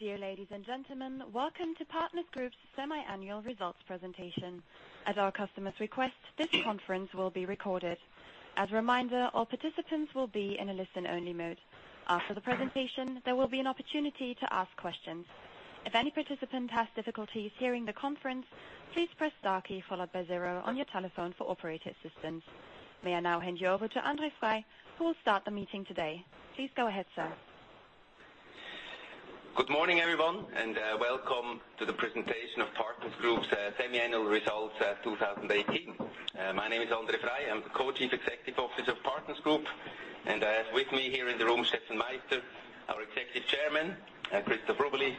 Dear ladies and gentlemen, welcome to Partners Group's semi-annual results presentation. At our customers' request, this conference will be recorded. As a reminder, all participants will be in a listen-only mode. After the presentation, there will be an opportunity to ask questions. If any participant has difficulties hearing the conference, please press star key followed by zero on your telephone for operator assistance. May I now hand you over to André Frei, who will start the meeting today. Please go ahead, sir. Good morning, everyone, welcome to the presentation of Partners Group's semi-annual results 2018. My name is André Frei, I'm the Co-Chief Executive Officer of Partners Group. I have with me here in the room, Steffen Meister, our Executive Chairman, Christoph Rubeli,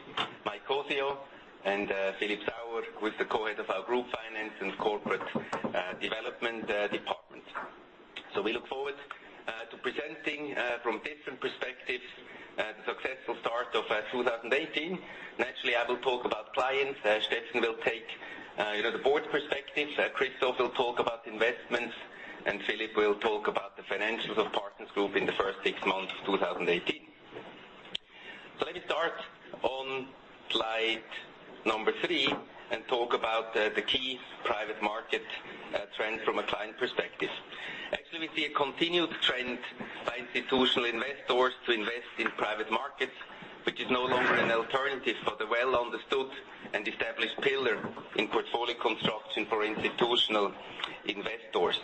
Co-CEO, and Philip Sauer, who is the Co-head of our Group Finance and Corporate Development department. We look forward to presenting from different perspectives, the successful start of 2018. Naturally, I will talk about clients, Steffen will take the board perspective, Christoph will talk about investments, and Philip will talk about the financials of Partners Group in the first six months of 2018. Let me start on slide number three and talk about the key private market trends from a client perspective. Actually, we see a continued trend by institutional investors to invest in private markets, which is no longer an alternative, but a well-understood and established pillar in portfolio construction for institutional investors.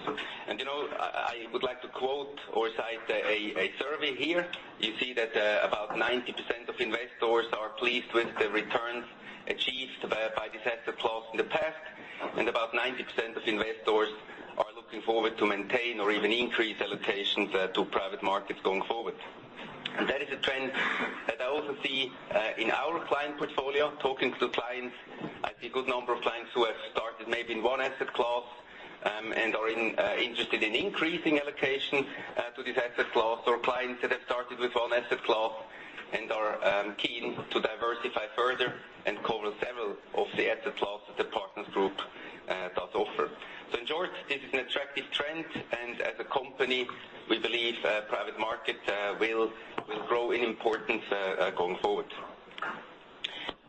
I would like to quote or cite a survey here. You see that about 90% of investors are pleased with the returns achieved by this asset class in the past, and about 90% of investors are looking forward to maintain or even increase allocations to private markets going forward. That is a trend that I also see in our client portfolio. Talking to clients, I see a good number of clients who have started maybe in one asset class and are interested in increasing allocation to this asset class. Clients that have started with one asset class and are keen to diversify further and cover several of the asset classes that Partners Group does offer. In short, this is an attractive trend, and as a company, we believe private market will grow in importance going forward.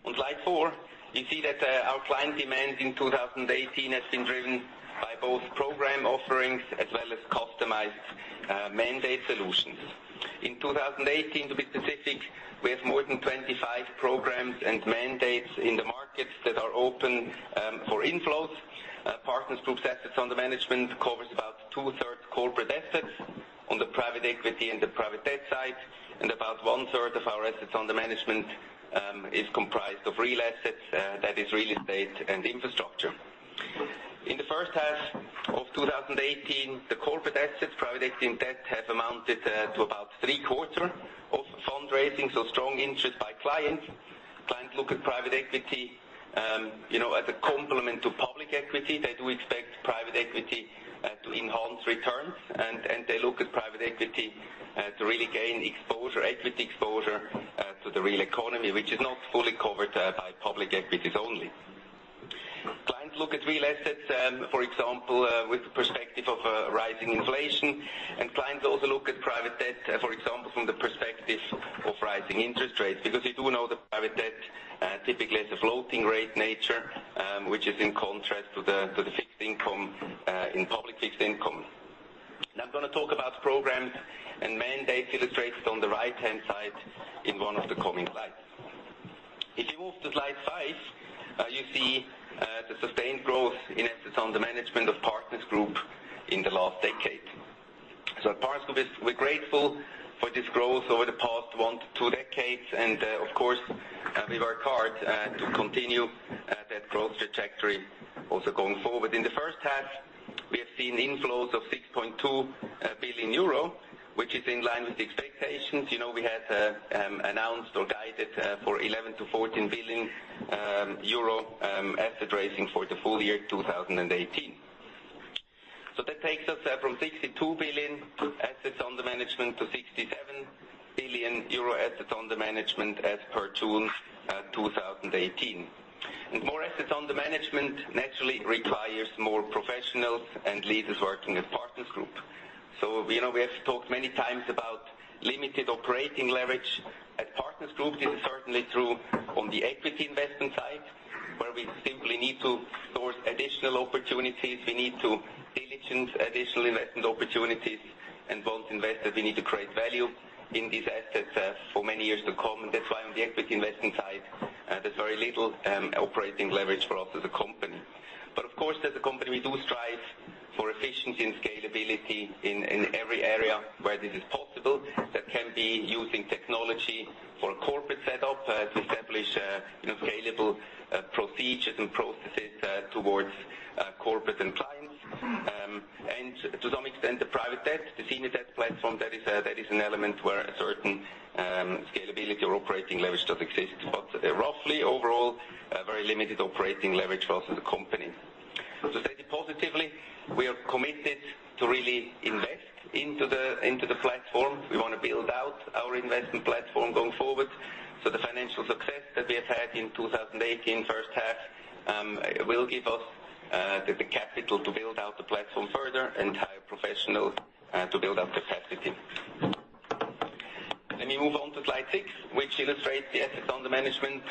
On slide four, you see that our client demand in 2018 has been driven by both program offerings as well as customized mandate solutions. In 2018, to be specific, we have more than 25 programs and mandates in the markets that are open for inflows. Partners Group's assets under management covers about two-thirds corporate assets on the private equity and the private debt side, and about one-third of our assets under management is comprised of real assets, that is real estate and infrastructure. In the first half of 2018, the corporate assets, private equity and debt, have amounted to about three-quarters of fundraising. Strong interest by clients. Clients look at private equity as a complement to public equity. They do expect private equity to enhance returns. They look at private equity to really gain equity exposure to the real economy, which is not fully covered by public equities only. Clients look at real assets, for example, with the perspective of a rising inflation. Clients also look at private debt, for example, from the perspective of rising interest rates, because you do know the private debt typically has a floating rate nature, which is in contrast to the fixed income in public fixed income. I'm going to talk about programs and mandates illustrated on the right-hand side in one of the coming slides. If you move to slide five, you see the sustained growth in assets under management of Partners Group in the last decade. At Partners Group, we're grateful for this growth over the past one to two decades. Of course, we work hard to continue that growth trajectory also going forward. In the first half, we have seen inflows of 6.2 billion euro, which is in line with the expectations. We had announced or guided for 11 billion to 14 billion euro asset raising for the full year 2018. That takes us from 62 billion assets under management to 67 billion euro assets under management as per June 2018. More assets under management naturally requires more professionals and leaders working at Partners Group. We have talked many times about limited operating leverage at Partners Group. This is certainly true on the equity investment side, where we simply need to source additional opportunities. We need to diligence additional investment opportunities and both investors, we need to create value in these assets for many years to come. That's why on the equity investment side, there's very little operating leverage for us as a company. Of course, as a company, we do strive for efficiency and scalability in every area where this is possible. That can be using technology for a corporate setup to establish scalable procedures and processes towards corporates and clients. To some extent, the private debt, the senior debt platform, that is an element where a certain scalability or operating leverage does exist. Roughly overall, very limited operating leverage for us as a company. To state it positively, we are committed to really invest into the platform. We want to build out our investment platform going forward. The financial success that we have had in 2018 first half will give us the capital to build out the platform further and hire professionals to build up capacity. Let me move on to slide six, which illustrates the assets under management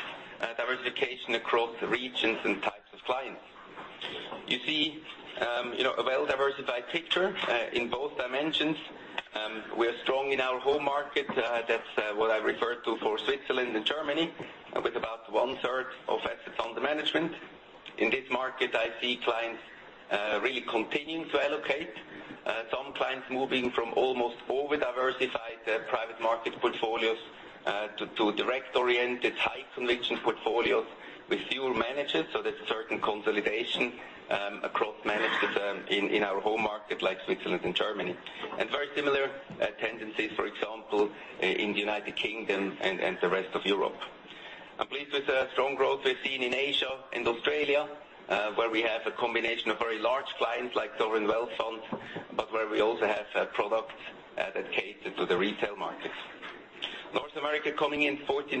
diversification across regions and types of clients. You see a well-diversified picture, in both dimensions. We are strong in our home market, that's what I refer to for Switzerland and Germany, with about one-third of assets under management. In this market, I see clients really continuing to allocate. Some clients moving from almost over-diversified private market portfolios to direct-oriented, high conviction portfolios with fewer managers. There's a certain consolidation across managers in our home market, like Switzerland and Germany. Very similar tendencies, for example, in the United Kingdom and the rest of Europe. I'm pleased with the strong growth we're seeing in Asia and Australia, where we have a combination of very large clients like sovereign wealth funds, but where we also have products that cater to the retail markets. North America coming in 14%,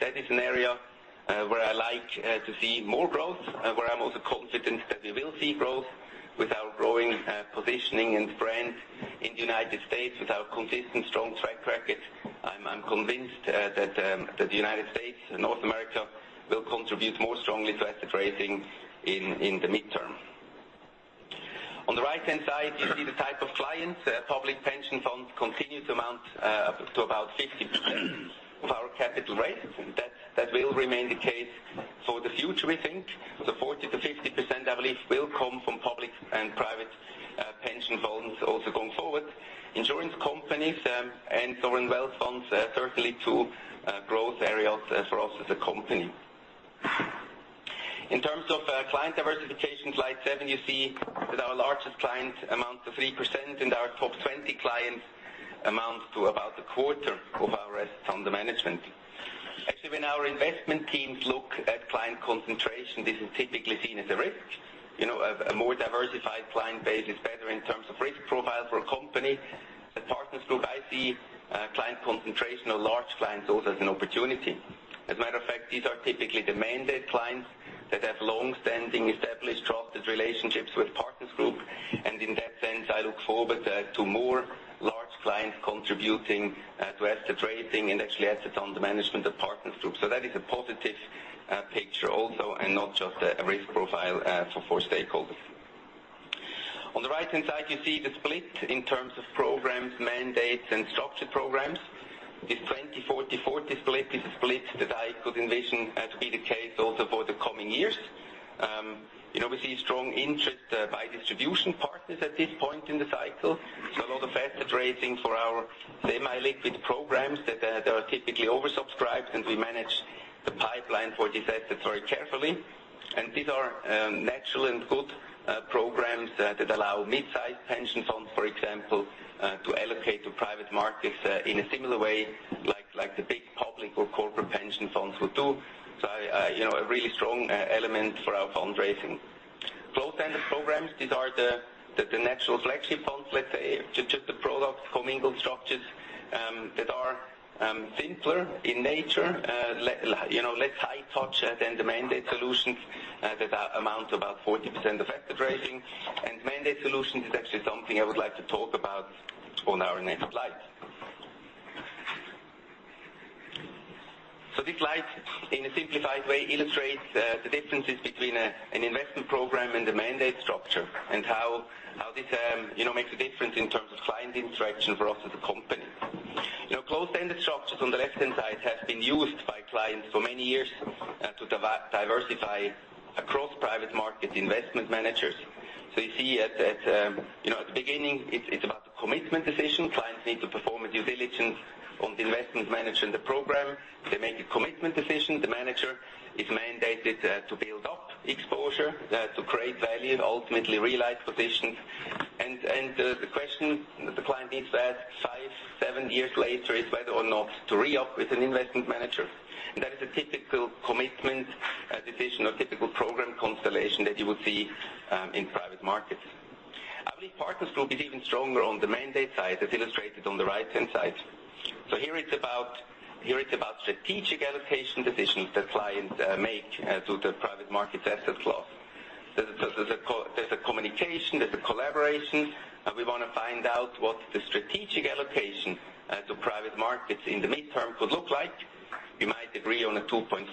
that is an area where I like to see more growth, where I'm also confident that we will see growth with our growing positioning and brand in the United States, with our consistent, strong track record. I'm convinced that the United States and North America will contribute more strongly to asset raising in the midterm. On the right-hand side, you see the type of clients. Public pension funds continue to amount up to about 50% of our capital raised. That will remain the case for the future, we think. The 40%-50%, I believe, will come from public and private pension funds also going forward. Insurance companies and sovereign wealth funds, certainly two growth areas for us as a company. In terms of client diversification, slide seven, you see that our largest clients amount to 3%, and our top 20 clients amount to about a quarter of our assets under management. Actually, when our investment teams look at client concentration, this is typically seen as a risk. A more diversified client base is better in terms of risk profile for a company. At Partners Group, I see client concentration or large clients also as an opportunity. As a matter of fact, these are typically the mandate clients that have longstanding, established, trusted relationships with Partners Group. In that sense, I look forward to more large clients contributing to asset raising and actually assets under management at Partners Group. That is a positive picture also, and not just a risk profile for stakeholders. On the right-hand side, you see the split in terms of programs, mandates, and structured programs. This 20/40/40 split is a split that I could envision to be the case also for the coming years. We see strong interest by distribution partners at this point in the cycle. There's a lot of asset raising for our semi-liquid programs that are typically oversubscribed. We manage the pipeline for these assets very carefully. These are natural and good programs that allow mid-size pension funds, for example, to allocate to private markets in a similar way like the big public or corporate pension funds would do. A really strong element for our fundraising. Closed-ended programs, these are the natural flagship funds, let's say, just the products, commingled structures, that are simpler in nature, less high touch than the mandate solutions that amount to about 40% of asset raising. Mandate solutions is actually something I would like to talk about on our next slide. This slide, in a simplified way, illustrates the differences between an investment program and the mandate structure, and how this makes a difference in terms of client interaction for us as a company. Closed-ended structures on the left-hand side have been used by clients for many years to diversify across private market investment managers. You see at the beginning, it's about the commitment decision. Clients need to perform due diligence on the investment manager and the program. They make a commitment decision. The manager is mandated to build up exposure, to create value, and ultimately realize positions. The question the client needs to ask five, seven years later is whether or not to re-up with an investment manager. That is a typical commitment decision or typical program constellation that you would see in private markets. I believe Partners Group is even stronger on the mandate side, as illustrated on the right-hand side. Here it's about strategic allocation decisions that clients make to the private markets asset class. There's a communication, there's a collaboration, and we want to find out what the strategic allocation to private markets in the midterm could look like. We might agree on a 2.5%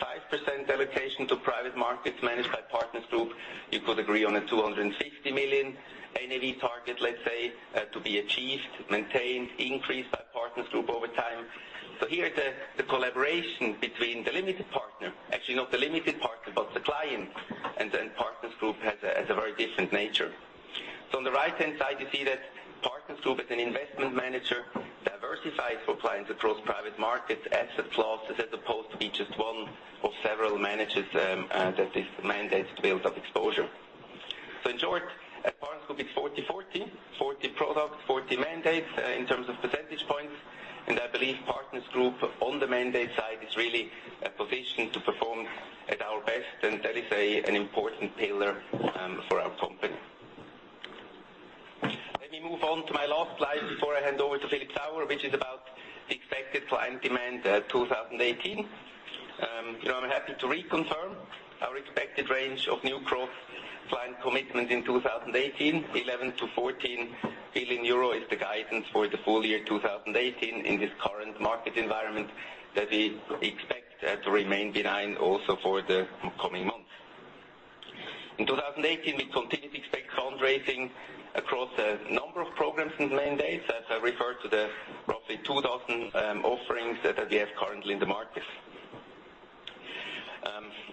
allocation to private markets managed by Partners Group. You could agree on a 250 million NAV target, let's say, to be achieved, maintained, increased by Partners Group over time. Here, the collaboration between the limited partner, actually not the limited partner, but the client, and then Partners Group has a very different nature. On the right-hand side, you see that Partners Group as an investment manager diversifies for clients across private markets, asset classes, as opposed to be just one of several managers that is mandated to build up exposure. In short, at Partners Group, it's 40/40 products, 40 mandates, in terms of percentage points. I believe Partners Group on the mandate side is really positioned to perform at our best, and that is an important pillar for our company. I move on to my last slide before I hand over to Philip Sauer, which is about the expected client demand 2018. I'm happy to reconfirm our expected range of new growth client commitment in 2018, 11 billion-14 billion euro is the guidance for the full year 2018 in this current market environment that we expect to remain behind also for the coming months. In 2018, we continue to expect fundraising across a number of programs in mandates, as I referred to the roughly 2,000 offerings that we have currently in the market.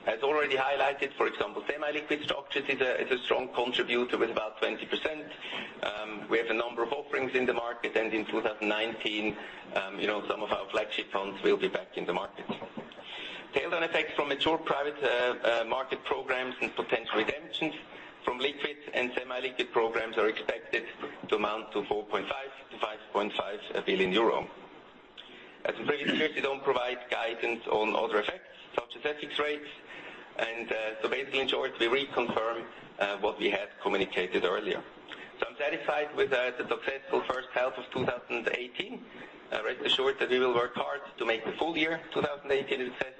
As already highlighted, for example, semi-liquid structures is a strong contributor with about 20%. We have a number of offerings in the market, and in 2019, some of our flagship funds will be back in the market. Tail-end effects from mature private market programs and potential redemptions from liquid and semi-liquid programs are expected to amount to 4.5 billion-5.5 billion euro. As previously, we don't provide guidance on other effects such as FX rates. Basically, in short, we reconfirm what we had communicated earlier. I'm satisfied with the successful first half of 2018. Rest assured that we will work hard to make the full year 2018 a success.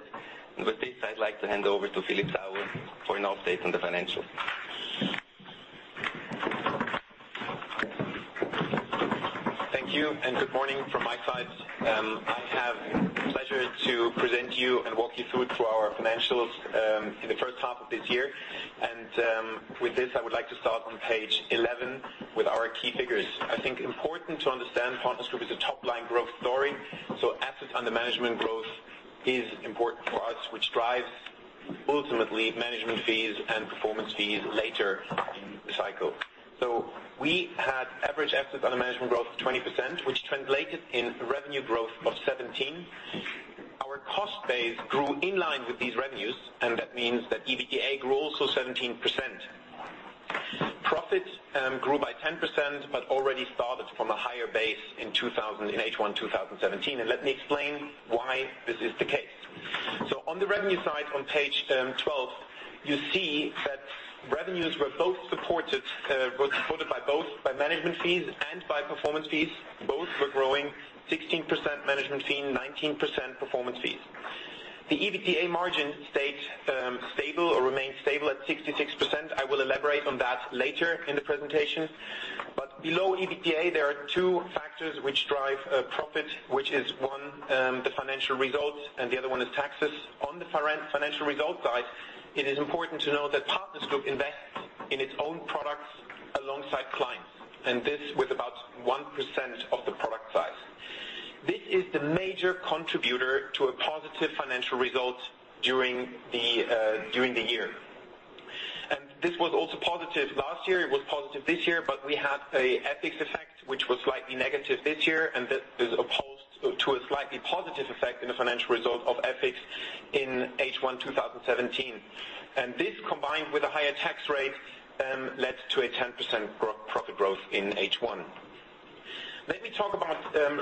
With this, I'd like to hand over to Philip Sauer for an update on the financials. Thank you, and good morning from my side. I have the pleasure to present to you and walk you through to our financials in the first half of this year. With this, I would like to start on page 11 with our key figures. I think important to understand Partners Group is a top-line growth story, so assets under management growth is important for us, which drives ultimately management fees and performance fees later in the cycle. We had average assets under management growth of 20%, which translated in revenue growth of 17%. Our cost base grew in line with these revenues, and that means that EBITDA grew also 17%. Profit grew by 10% but already started from a higher base in H1 2017. Let me explain why this is the case. On the revenue side, on page 12, you see that revenues were supported by both management fees and by performance fees. Both were growing, 16% management fees, 19% performance fees. The EBITDA margin stayed stable or remained stable at 66%. I will elaborate on that later in the presentation. Below EBITDA, there are two factors which drive profit, which is one, the financial results, and the other one is taxes. On the financial results side, it is important to know that Partners Group invests in its own products alongside clients, and this with about 1% of the product size. This is the major contributor to a positive financial result during the year. This was also positive last year, it was positive this year, but we had an FX effect, which was slightly negative this year, and that is opposed to a slightly positive effect in the financial result of FX in H1 2017. This, combined with a higher tax rate, led to a 10% profit growth in H1. Let me talk about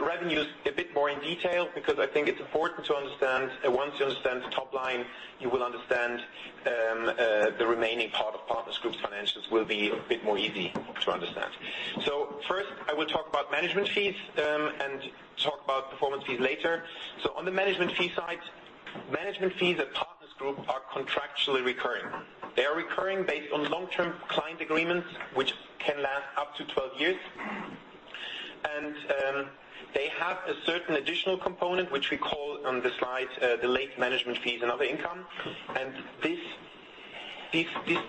revenues a bit more in detail because I think it's important to understand. Once you understand the top line, you will understand the remaining part of Partners Group's financials will be a bit easier to understand. First, I will talk about management fees and talk about performance fees later. On the management fee side, management fees at Partners Group are contractually recurring. They are recurring based on long-term client agreements, which can last up to 12 years. They have a certain additional component, which we call on the slide, the late management fees and other income. This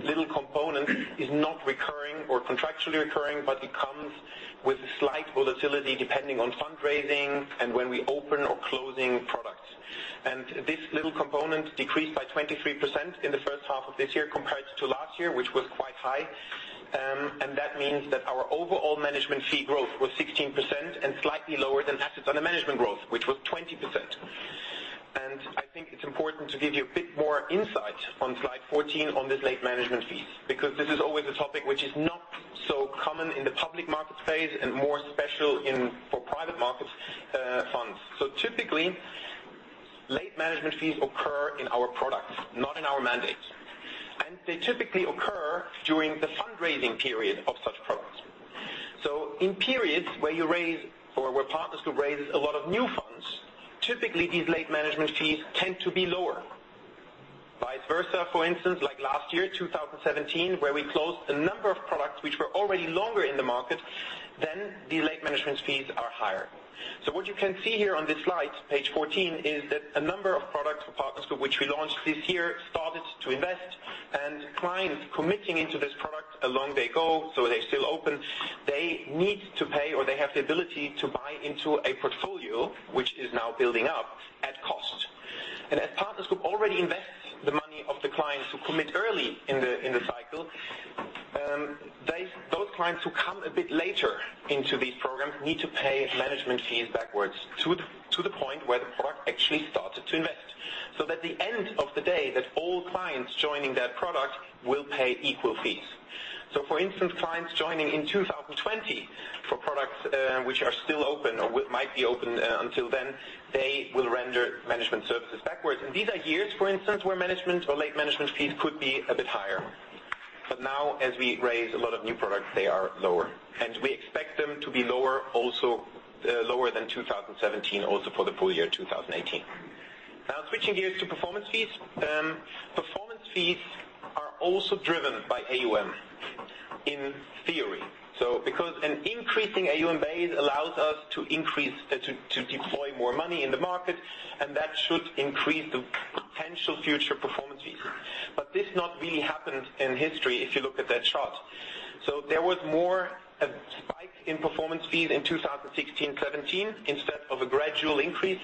little component is not recurring or contractually recurring, but it comes with a slight volatility depending on fundraising and when we open or close products. This little component decreased by 23% in the first half of this year compared to last year, which was quite high. That means that our overall management fee growth was 16% and slightly lower than assets under management growth, which was 20%. I think it's important to give you a bit more insight on slide 14 on these late management fees, because this is always a topic which is not so common in the public market space and more special for private market funds. Typically, late management fees occur in our products, not in our mandates. They typically occur during the fundraising period of such products. In periods where Partners Group raises a lot of new funds, typically these late management fees tend to be lower. Vice versa, for instance, like last year, 2017, where we closed a number of products which were already longer in the market, the late management fees are higher. What you can see here on this slide, page 14, is that a number of products for Partners Group which we launched this year started to invest, and clients committing into this product along they go. They're still open. They need to pay, or they have the ability to buy into a portfolio which is now building up at cost. As Partners Group already invests the money of the clients who commit early in the cycle, those clients who come a bit later into these programs need to pay management fees backwards to the point where the product actually started to invest. At the end of the day, all clients joining that product will pay equal fees. For instance, clients joining in 2020 for products which are still open or might be open until then, they will render management services backwards. These are years, for instance, where management or late management fees could be a bit higher. Now, as we raise a lot of new products, they are lower, and we expect them to be lower than 2017 also for the full year 2018. Switching gears to performance fees. Performance fees are also driven by AUM, in theory. Because an increasing AUM base allows us to deploy more money in the market, and that should increase the potential future performance fees. This not really happened in history, if you look at that chart. There was more a spike in performance fees in 2016, 2017 instead of a gradual increase.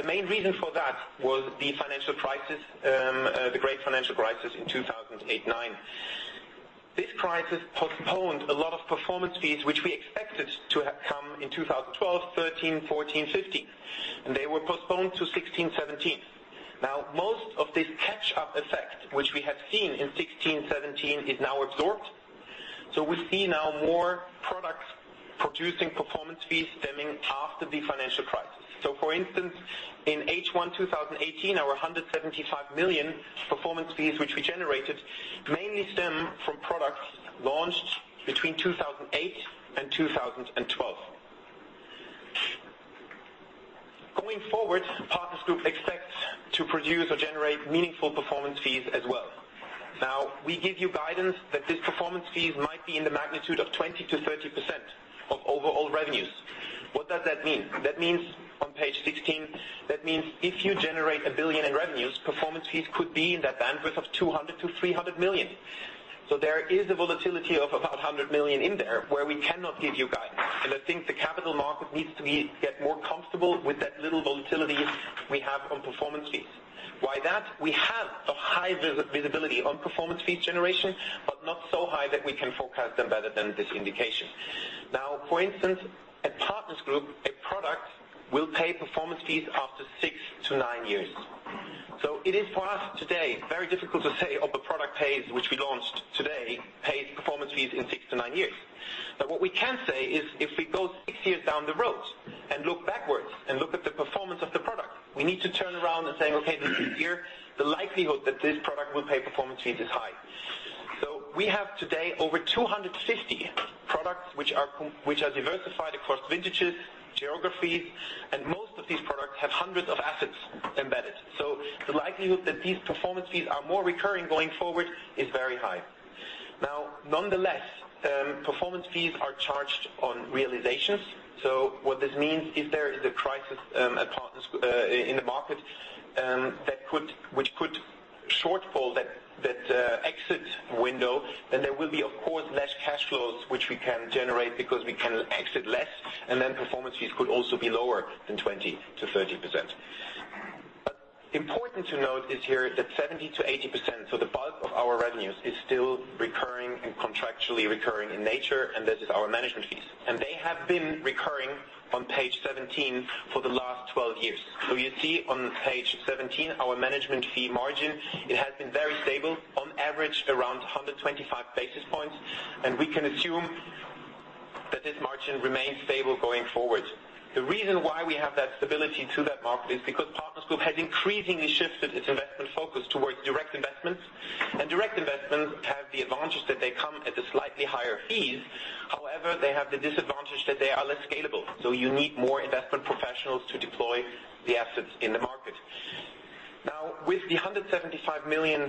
The main reason for that was the great financial crisis in 2008, 2009. This crisis postponed a lot of performance fees, which we expected to come in 2012, 2013, 2014, 2015, and they were postponed to 2016, 2017. Most of this catch-up effect, which we have seen in 2016, 2017, is now absorbed. We see now more products producing performance fees stemming after the financial crisis. For instance, in H1 2018, our 175 million performance fees, which we generated, mainly stem from products launched between 2008 and 2012. Going forward, Partners Group expects to produce or generate meaningful performance fees as well. We give you guidance that these performance fees might be in the magnitude of 20%-30% of overall revenues. What does that mean? That means, on page 16, that means if you generate 1 billion in revenues, performance fees could be in that bandwidth of 200 million-300 million. There is a volatility of about 100 million in there, where we cannot give you guidance. I think the capital market needs to get more comfortable with that little volatility we have on performance fees. Why that? We have a high visibility on performance fee generation, but not so high that we can forecast them better than this indication. For instance, at Partners Group, a product will pay performance fees after six to nine years. It is for us today, very difficult to say of a product phase, which we launched today, pays performance fees in 6 to 9 years. What we can say is if we go 6 years down the road and look backwards and look at the performance of the product, we need to turn around and say, "Okay, this is here. The likelihood that this product will pay performance fees is high." We have today over 250 products, which are diversified across vintages, geographies, and most of these products have hundreds of assets embedded. The likelihood that these performance fees are more recurring going forward is very high. Nonetheless, performance fees are charged on realizations. What this means, if there is a crisis in the market which could shortfall that exit window, then there will be, of course, less cash flows which we can generate because we can exit less, and then performance fees could also be lower than 20%-30%. Important to note is here that 70%-80%, the bulk of our revenues, is still recurring and contractually recurring in nature, and this is our management fees. They have been recurring on page 17 for the last 12 years. You see on page 17, our management fee margin, it has been very stable, on average, around 125 basis points, and we can assume that this margin remains stable going forward. The reason why we have that stability to that market is because Partners Group has increasingly shifted its investment focus towards direct investments. Direct investments have the advantage that they come at slightly higher fees. However, they have the disadvantage that they are less scalable. You need more investment professionals to deploy the assets in the market. With the 175 million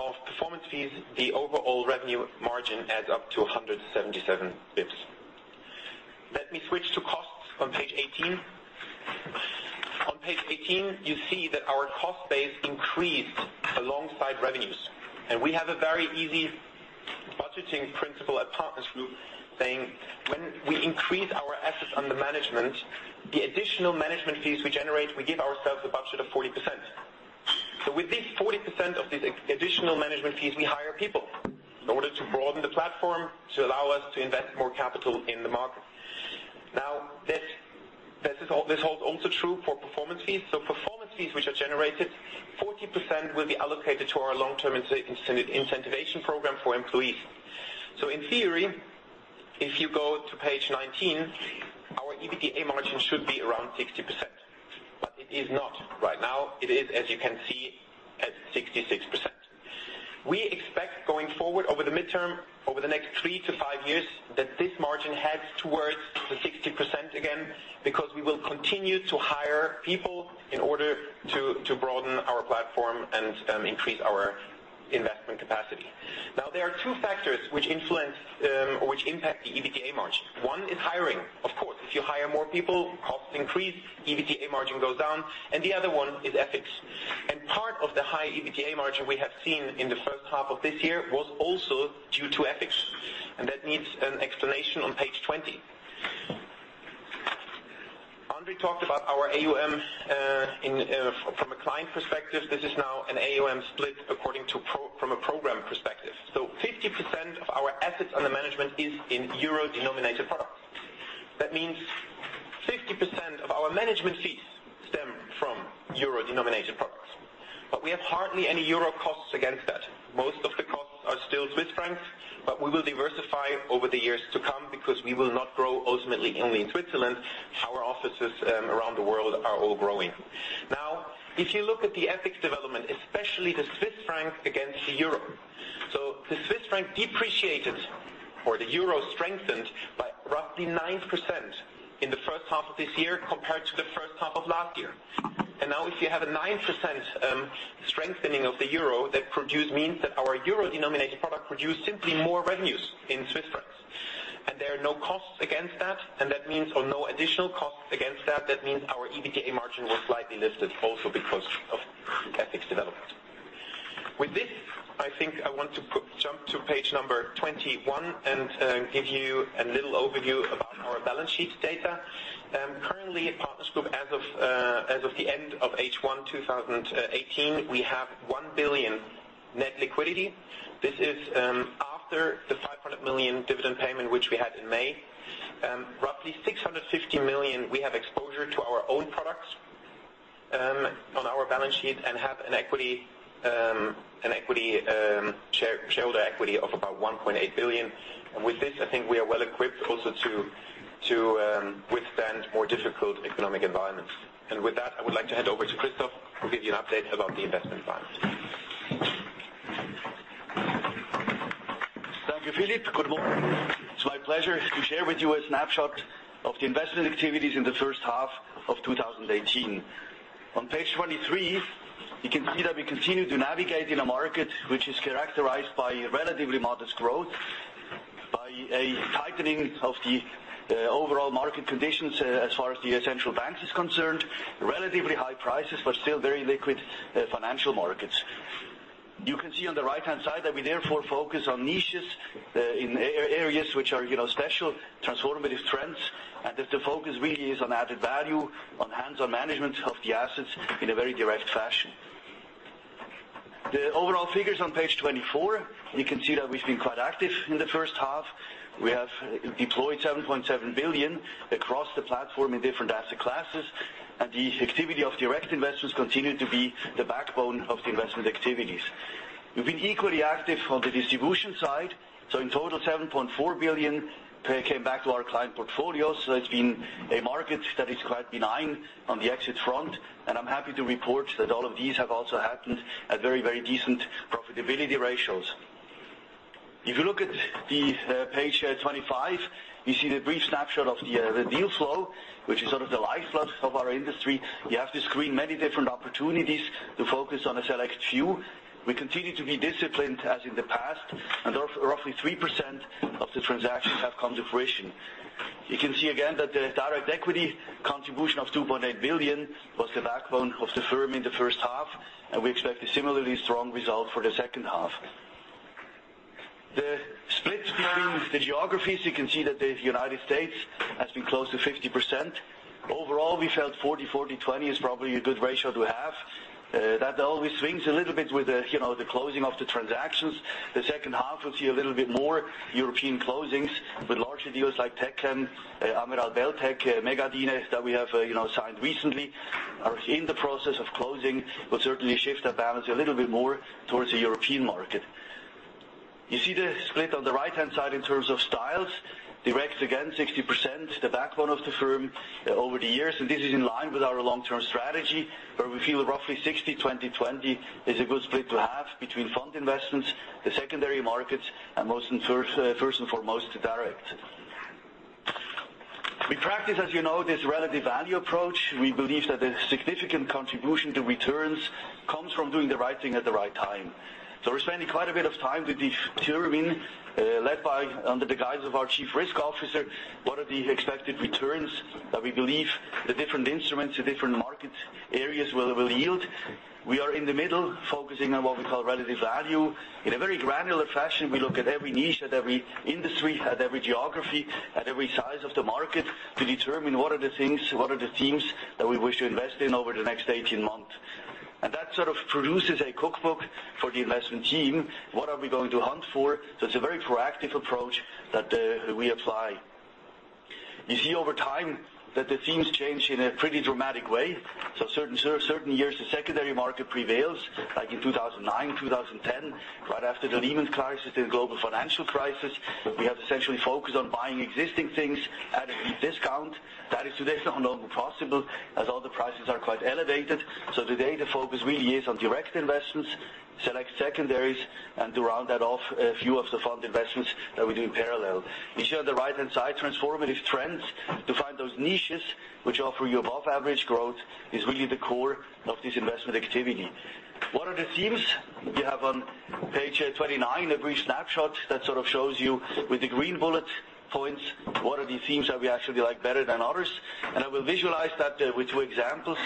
of performance fees, the overall revenue margin adds up to 177 bps. Let me switch to costs on page 18. On page 18, you see that our cost base increased alongside revenues. We have a very easy budgeting principle at Partners Group, saying when we increase our assets under management, the additional management fees we generate, we give ourselves a budget of 40%. With this 40% of these additional management fees, we hire people in order to broaden the platform to allow us to invest more capital in the market. This holds also true for performance fees. Performance fees which are generated, 40% will be allocated to our long-term incentivation program for employees. In theory, if you go to page 19, our EBITDA margin should be around 60%, but it is not right now. It is, as you can see, at 66%. We expect going forward over the midterm, over the next three to five years, that this margin heads towards the 60% again because we will continue to hire people in order to broaden our platform and increase our investment capacity. There are two factors which impact the EBITDA margin. One is hiring. If you hire more people, costs increase, EBITDA margin goes down. The other one is FX. Part of the high EBITDA margin we have seen in the first half of this year was also due to FX, and that needs an explanation on page 20. André talked about our AUM from a client perspective. This is now an AUM split from a program perspective. 50% of our assets under management is in EUR-denominated products. That means 50% of our management fees stem from EUR-denominated products. We have hardly any EUR costs against that. Most of the costs are still CHF, but we will diversify over the years to come because we will not grow ultimately only in Switzerland. Our offices around the world are all growing. If you look at the FX development, especially the CHF against the EUR. The CHF depreciated, or the EUR strengthened, by roughly 9% in the first half of this year compared to the first half of last year. If you have a 9% strengthening of the EUR, that means that our EUR-denominated product produced simply more revenues in CHF. There are no costs against that, or no additional costs against that. That means our EBITDA margin was slightly lifted also because of FX development. With this, I think I want to jump to page 21 and give you a little overview about our balance sheet data. Currently at Partners Group as of the end of H1 2018, we have 1 billion net liquidity. This is after the 500 million dividend payment which we had in May. Roughly 650 million we have exposure to our own products on our balance sheet and have a shareholder equity of about 1.8 billion. With this, I think we are well equipped also to withstand more difficult economic environments. With that, I would like to hand over to Christoph, who will give you an update about the investment plans. Thank you, Philip. Good morning. It's my pleasure to share with you a snapshot of the investment activities in the first half of 2018. On page 23, you can see that we continue to navigate in a market which is characterized by relatively modest growth, by a tightening of the overall market conditions as far as the central banks is concerned, relatively high prices but still very liquid financial markets. You can see on the right-hand side that we therefore focus on niches in areas which are special, transformative trends, and that the focus really is on added value, on hands-on management of the assets in a very direct fashion. The overall figures on page 24, you can see that we've been quite active in the first half. We have deployed 7.7 billion across the platform in different asset classes. The activity of direct investments continue to be the backbone of the investment activities. We've been equally active on the distribution side. In total, 7.4 billion came back to our client portfolios. It's been a market that is quite benign on the exit front, and I'm happy to report that all of these have also happened at very decent profitability ratios. If you look at page 25, you see the brief snapshot of the deal flow, which is sort of the lifeblood of our industry. We have to screen many different opportunities to focus on a select few. We continue to be disciplined as in the past, and roughly 3% of the transactions have come to fruition. You can see again that the direct equity contribution of 2.8 billion was the backbone of the firm in the first half, and we expect a similarly strong result for the second half. The split between the geographies, you can see that the U.S. has been close to 50%. Overall, we felt 40/40/20 is probably a good ratio to have. That always swings a little bit with the closing of the transactions. The second half will see a little bit more European closings with larger deals like Techem, Ammeraal Beltech, Megadyne that we have signed recently, are in the process of closing. This will certainly shift that balance a little bit more towards the European market. You see the split on the right-hand side in terms of styles. Direct again is 60%, the backbone of the firm over the years, and this is in line with our long-term strategy, where we feel roughly 60/20/20 is a good split to have between fund investments, the secondary markets, and first and foremost, direct. We practice, as you know, this relative value approach. We believe that the significant contribution to returns comes from doing the right thing at the right time. We're spending quite a bit of time with determining, led by under the guise of our Chief Risk Officer, what are the expected returns that we believe the different instruments, the different market areas will yield. We are in the middle focusing on what we call relative value. In a very granular fashion, we look at every niche, at every industry, at every geography, at every size of the market to determine what are the things, what are the themes that we wish to invest in over the next 18 months. That sort of produces a cookbook for the investment team. What are we going to hunt for? It's a very proactive approach that we apply. You see over time that the themes change in a pretty dramatic way. Certain years, the secondary market prevails, like in 2009, 2010, right after the Lehman crisis, the global financial crisis. We have essentially focused on buying existing things at a discount. That is today no longer possible, as all the prices are quite elevated. Today, the focus really is on direct investments, select secondaries, and to round that off, a few of the fund investments that we do in parallel. You see on the right-hand side, transformative trends. To find those niches which offer you above-average growth is really the core of this investment activity. What are the themes? You have on page 29, a brief snapshot that shows you with the green bullet points, what are the themes that we actually like better than others? I will visualize that with two examples.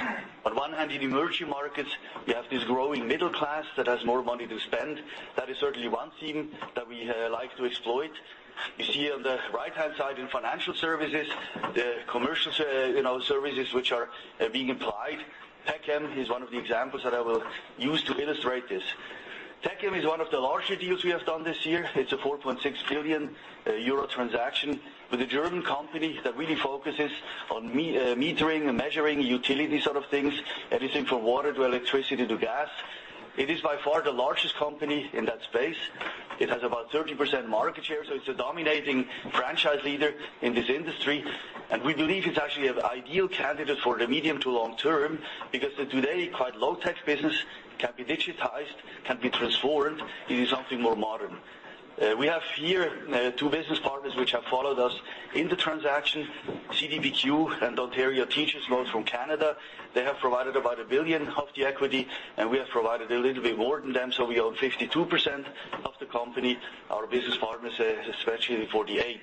On one hand, in emerging markets, we have this growing middle class that has more money to spend. That is certainly one theme that we like to exploit. You see on the right-hand side in financial services, the commercial services which are being implied. Techem is one of the examples that I will use to illustrate this. Techem is one of the larger deals we have done this year. It is a 4.6 billion euro transaction with a German company that really focuses on metering and measuring utility sort of things, everything from water to electricity to gas. It is by far the largest company in that space. It has about 30% market share, so it is a dominating franchise leader in this industry, and we believe it is actually an ideal candidate for the medium to long term because the today quite low-tech business can be digitized, can be transformed into something more modern. We have here two business partners which have followed us in the transaction, CDPQ and Ontario Teachers' Pension Plan from Canada. They have provided about 1 billion of the equity, and we have provided a little bit more than them, so we own 52% of the company. Our business partners especially 48%.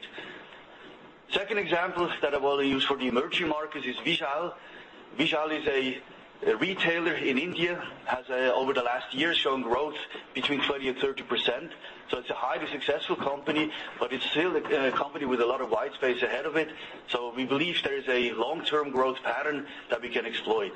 Second example that I want to use for the emerging markets is Vishal. Vishal is a retailer in India, has over the last year shown growth between 30% and 30%, so it is a highly successful company, but it is still a company with a lot of white space ahead of it. We believe there is a long-term growth pattern that we can exploit.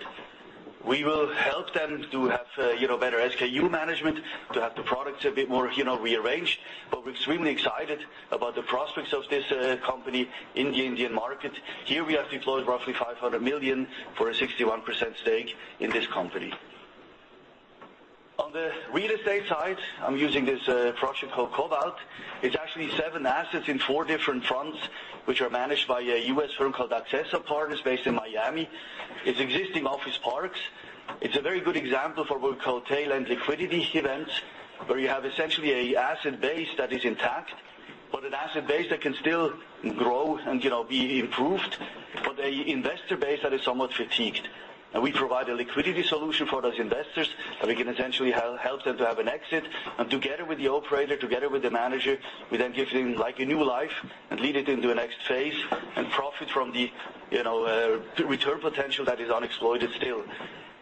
We will help them to have better SKU management, to have the products a bit more rearranged, but we are extremely excited about the prospects of this company in the Indian market. Here we have deployed roughly 500 million for a 61% stake in this company. On the real estate side, I am using this project called Cobalt. It is actually 7 assets in 4 different fronts, which are managed by a U.S. firm called Accesso Partners based in Miami. It is existing office parks. It is a very good example for what we call tail end liquidity events, where you have essentially an asset base that is intact, but an asset base that can still grow and be improved. A investor base that is somewhat fatigued. We provide a liquidity solution for those investors that we can essentially help them to have an exit. Together with the operator, together with the manager, we then give him like a new life and lead it into a next phase and profit from the return potential that is unexploited still.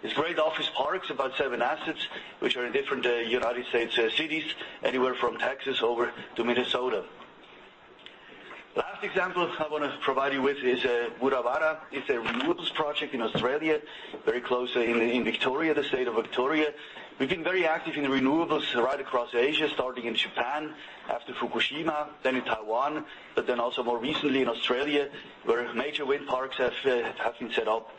It is great office parks, about 7 assets, which are in different U.S. cities, anywhere from Texas over to Minnesota. Last example I want to provide you with is Dundonnell. It is a renewables project in Australia, very close in the state of Victoria. We have been very active in renewables right across Asia, starting in Japan after Fukushima, then in Taiwan, but then also more recently in Australia, where major wind parks have been set up.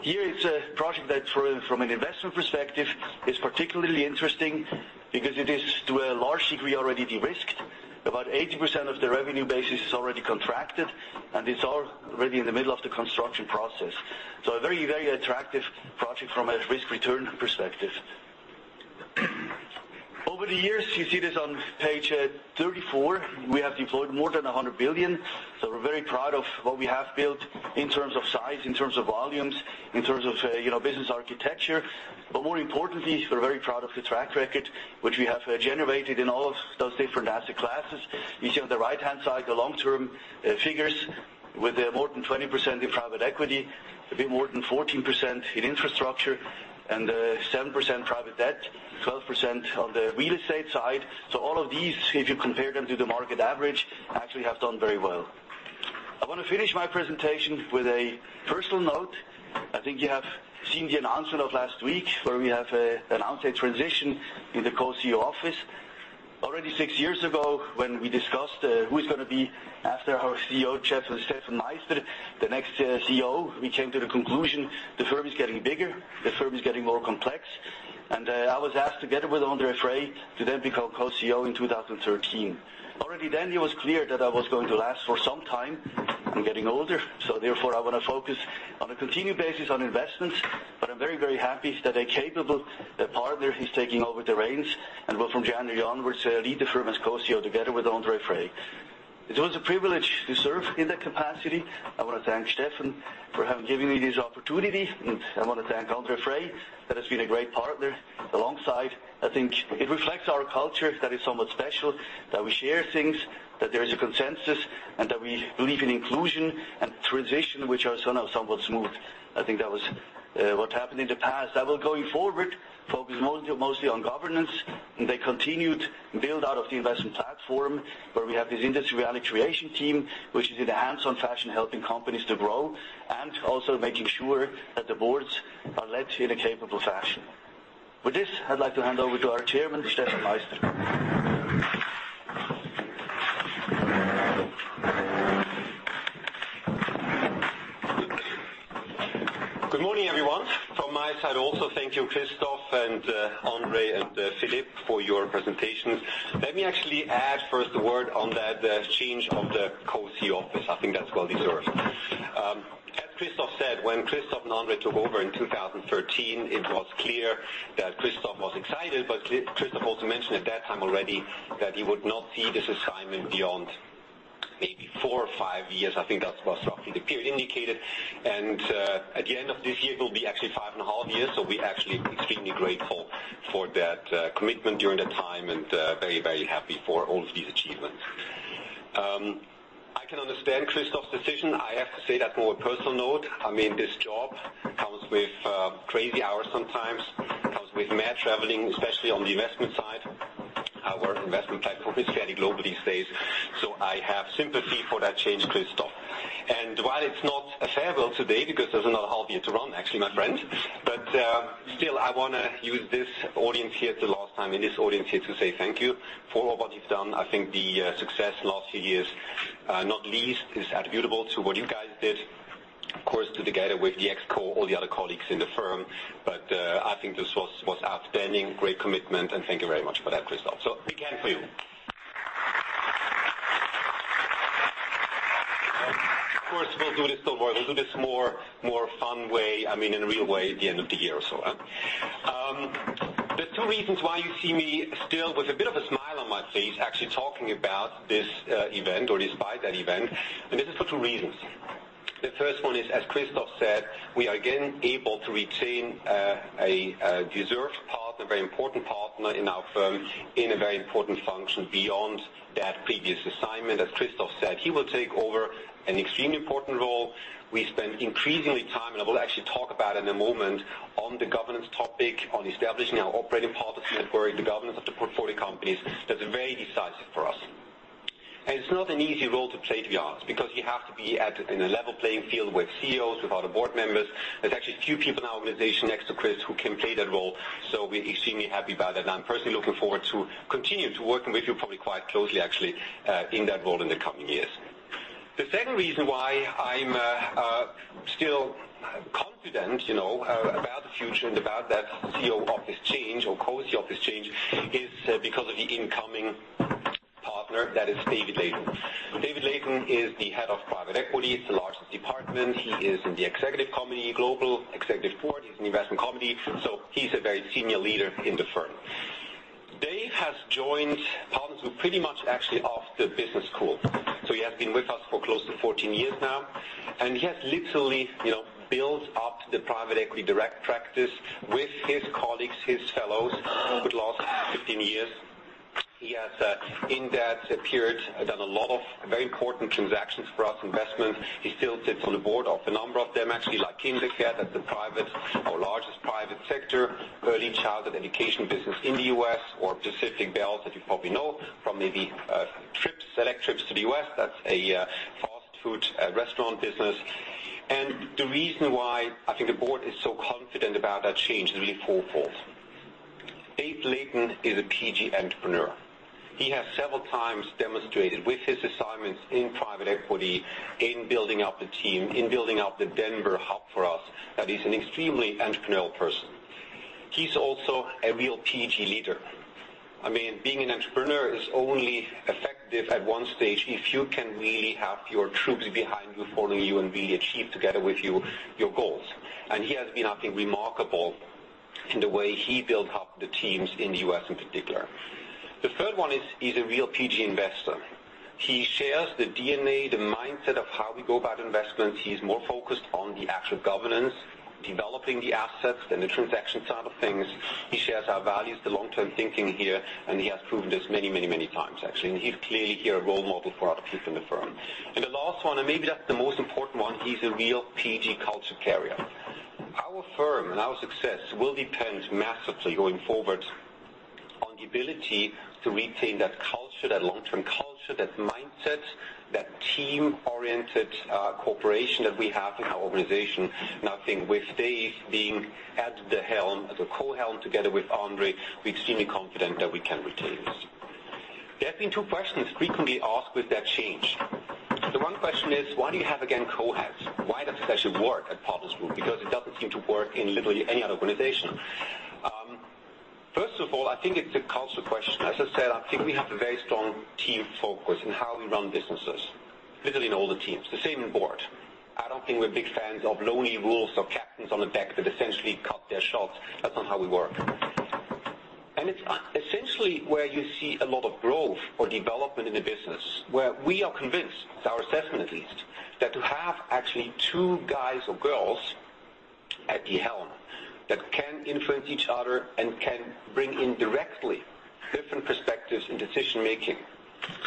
Here is a project that from an investment perspective is particularly interesting because it is to a large degree already de-risked. About 80% of the revenue base is already contracted, and it is already in the middle of the construction process. A very attractive project from a risk-return perspective. Over the years, you see this on page 34, we have deployed more than 100 billion. We are very proud of what we have built in terms of size, in terms of volumes, in terms of business architecture. More importantly, we are very proud of the track record which we have generated in all of those different asset classes. You see on the right-hand side, the long-term figures with more than 20% in private equity, a bit more than 14% in infrastructure, and 7% private debt, 12% on the real estate side. All of these, if you compare them to the market average, actually have done very well. I want to finish my presentation with a personal note. I think you have seen the announcement of last week where we have announced a transition in the co-CEO office. Already six years ago, when we discussed who is going to be after our CEO, Chairman Steffen Meister, the next CEO, we came to the conclusion the firm is getting bigger, the firm is getting more complex. I was asked together with André Frei to then become co-CEO in 2013. Already then it was clear that I was going to last for some time. I'm getting older, therefore I want to focus on a continuing basis on investments, but I'm very, very happy that a capable partner is taking over the reins and will from January onwards lead the firm as co-CEO together with André Frei. It was a privilege to serve in that capacity. I want to thank Steffen for having given me this opportunity, and I want to thank André Frei, that has been a great partner alongside. I think it reflects our culture that is somewhat special, that we share things, that there is a consensus, and that we believe in inclusion and transition, which are somewhat smooth. I think that was what happened in the past. I will, going forward, focus mostly on governance and the continued build-out of the investment platform, where we have this industry value creation team, which is in a hands-on fashion helping companies to grow and also making sure that the boards are led in a capable fashion. With this, I'd like to hand over to our Chairman, Steffen Meister. Good morning, everyone. From my side also, thank you, Christoph and André and Philip for your presentations. Let me actually add first a word on that change of the co-CEO office. I think that's well-deserved. As Christoph said, when Christoph and André took over in 2013, it was clear that Christoph was excited, but Christoph also mentioned at that time already that he would not see this assignment beyond maybe four or five years. I think that was roughly the period indicated. At the end of this year, it will be actually five and a half years. We're actually extremely grateful for that commitment during that time and very, very happy for all of these achievements. I can understand Christoph's decision. I have to say that on a more personal note. This job comes with crazy hours sometimes, comes with mad traveling, especially on the investment side. I have sympathy for that change, Christoph. While it's not a farewell today because there's another half year to run actually, my friend. Still, I want to use this audience here the last time, in this audience here to say thank you for all what you've done. I think the success in the last few years, not least, is attributable to what you guys did. Of course, together with the ExCo, all the other colleagues in the firm. I think this was outstanding. Great commitment, and thank you very much for that, Christoph. Big hand for you. Of course, we'll do this more fun way, in a real way, at the end of the year or so. There are two reasons why you see me still with a bit of a smile on my face, actually talking about this event or despite that event. This is for two reasons. The first one is, as Christoph said, we are again able to retain a deserved partner, a very important partner in our firm, in a very important function beyond that previous assignment. As Christoph said, he will take over an extremely important role. We spend increasingly time, and I will actually talk about in a moment, on the governance topic, on establishing our operating policy at work, the governance of the portfolio companies that are very decisive for us. It's not an easy role to play, to be honest, because you have to be in a level playing field with CEOs, with other board members. There's actually few people in our organization next to Christoph who can play that role. We're extremely happy about that. I'm personally looking forward to continue to working with you probably quite closely actually, in that role in the coming years. The second reason why I'm still confident about the future and about that CEO office change or co-CEO office change is because of the incoming partner. That is David Layton. David Layton is the head of Private Equity. It's the largest department. He is in the Executive Committee global, Executive Board. He's an Investment Committee, he's a very senior leader in the firm. Dave has joined Partners Group pretty much actually off the business school. He has been with us for close to 14 years now, and he has literally built up the Private Equity direct practice with his colleagues, his fellows, over the last 15 years. He has, in that period, done a lot of very important transactions for us, investments. He still sits on the board of a number of them, actually, like KinderCare. That's the private, our largest private sector, early childhood education business in the U.S. or Pacific Bells, as you probably know, from maybe trips, select trips to the U.S. That's a fast food restaurant business. The reason why I think the board is so confident about that change is really fourfold. Dave Layton is a PG entrepreneur. He has several times demonstrated with his assignments in Private Equity, in building up the team, in building up the Denver hub for us, that he's an extremely entrepreneurial person. He's also a real PG leader. Being an entrepreneur is only effective at one stage if you can really have your troops behind you, following you, and really achieve together with you, your goals. He has been, I think, remarkable in the way he built up the teams in the U.S. in particular. The third one is, he's a real PG investor. He shares the DNA, the mindset of how we go about investments. He is more focused on the actual governance, developing the assets than the transaction side of things. He shares our values, the long-term thinking here, and he has proven this many times, actually, and he's clearly here, a role model for other people in the firm. The last one, and maybe that's the most important one, he's a real PG culture carrier. Our firm and our success will depend massively going forward on the ability to retain that culture, that long-term culture, that mindset, that team-oriented cooperation that we have in our organization. I think with Dave being at the helm, at the co-helm, together with André, we're extremely confident that we can retain this. There have been two questions frequently asked with that change. The one question is, "Why do you have, again, co-heads? Why does this actually work at Partners Group? Because it doesn't seem to work in literally any other organization." First of all, I think it's a culture question. As I said, I think we have a very strong team focus in how we run businesses. Literally in all the teams, the same in board. I don't think we're big fans of lonely wolves or captains on the deck that essentially call their shots. That's not how we work. It's essentially where you see a lot of growth or development in the business, where we are convinced, it's our assessment at least, that to have actually two guys or girls at the helm that can influence each other and can bring in directly different perspectives in decision-making,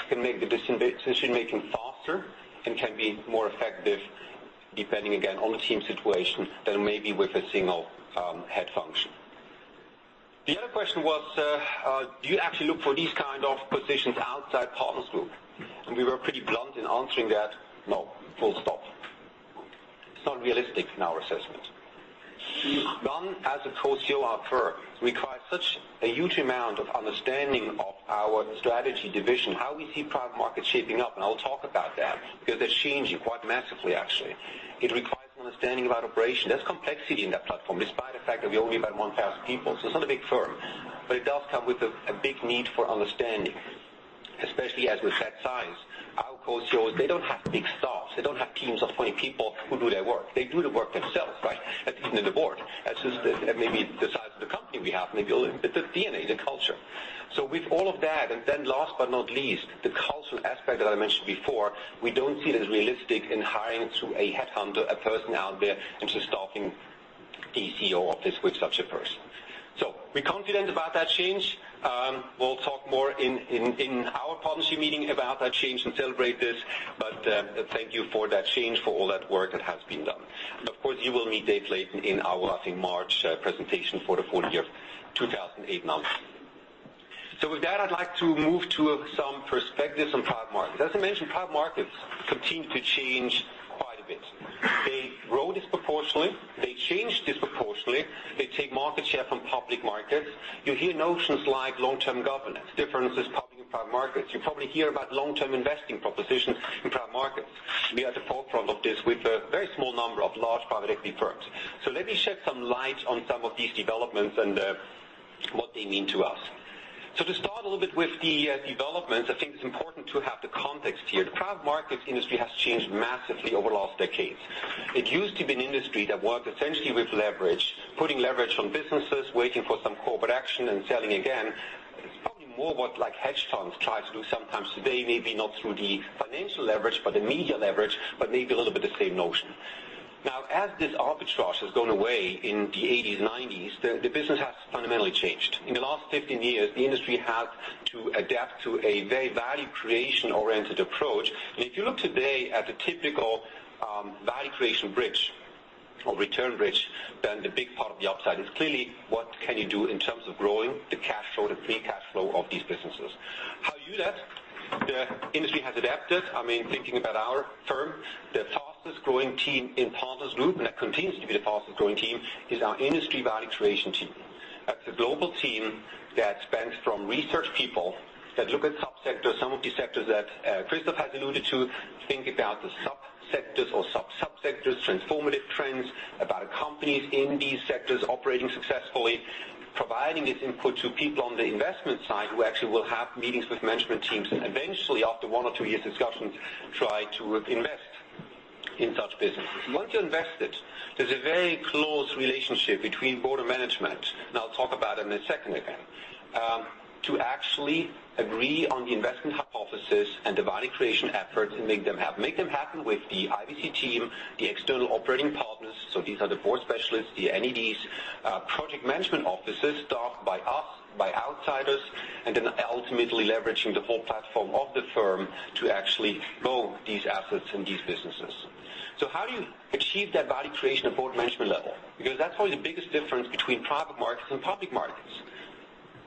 can make the decision-making faster and can be more effective, depending, again, on the team situation, than maybe with a single head function. The other question was, "Do you actually look for these kind of positions outside Partners Group?" We were pretty blunt in answering that, "No. Full stop." It's not realistic in our assessment. One as a Co-CEO of our firm requires such a huge amount of understanding of our strategy division, how we see private markets shaping up, and I will talk about that because they're changing quite massively actually. It requires an understanding about operations. There's complexity in that platform, despite the fact that we're only about 1,000 people. It's not a big firm, but it does come with a big need for understanding, especially as with that size. Our Co-CEOs, they don't have big staffs. They don't have teams of 20 people who do their work. They do the work themselves. Even in the board. That's just maybe the size of the company we have, maybe a little bit. The DNA, the culture. With all of that, and then last but not least, the cultural aspect that I mentioned before, we don't see it as realistic in hiring through a headhunter, a person out there, and just staffing a CEO office with such a person. We're confident about that change. We'll talk more in our partnership meeting about that change and celebrate this. Thank you for that change, for all that work that has been done. Of course, you will meet Dave Layton in our, I think, March presentation for the full year of 2018/19. With that, I'd like to move to some perspectives on private markets. As I mentioned, private markets continue to change quite a bit. They grow disproportionately change disproportionately. They take market share from public markets. You hear notions like long-term governance, differences public and private markets. You probably hear about long-term investing propositions in private markets. We are at the forefront of this with a very small number of large private equity firms. Let me shed some light on some of these developments and what they mean to us. To start a little bit with the developments, I think it's important to have the context here. The private markets industry has changed massively over the last decade. It used to be an industry that worked essentially with leverage, putting leverage on businesses, waiting for some corporate action, and selling again. It's probably more what hedge funds try to do sometimes today, maybe not through the financial leverage, but the media leverage, but maybe a little bit of the same notion. As this arbitrage has gone away in the '80s and '90s, the business has fundamentally changed. In the last 15 years, the industry had to adapt to a very value creation-oriented approach. If you look today at the typical value creation bridge or return bridge, then the big part of the upside is clearly what can you do in terms of growing the cash flow, the free cash flow of these businesses. How you do that? The industry has adapted. Thinking about our firm, the fastest-growing team in Partners Group, and that continues to be the fastest-growing team, is our industry value creation team. That's a global team that spans from research people that look at sub-sectors, some of the sectors that Christoph has alluded to, think about the sub-sectors or sub-sub-sectors, transformative trends, about companies in these sectors operating successfully, providing this input to people on the investment side who actually will have meetings with management teams, and eventually, after one or two years discussions, try to invest in such businesses. Once you're invested, there's a very close relationship between board and management, and I'll talk about it in a second again. To actually agree on the investment hypothesis and the value creation effort, and make them happen with the IVC team, the external operating partners. These are the board specialists, the NEDs, project management offices staffed by us, by outsiders, and then ultimately leveraging the whole platform of the firm to actually grow these assets and these businesses. How do you achieve that value creation at board management level? Because that's probably the biggest difference between private markets and public markets.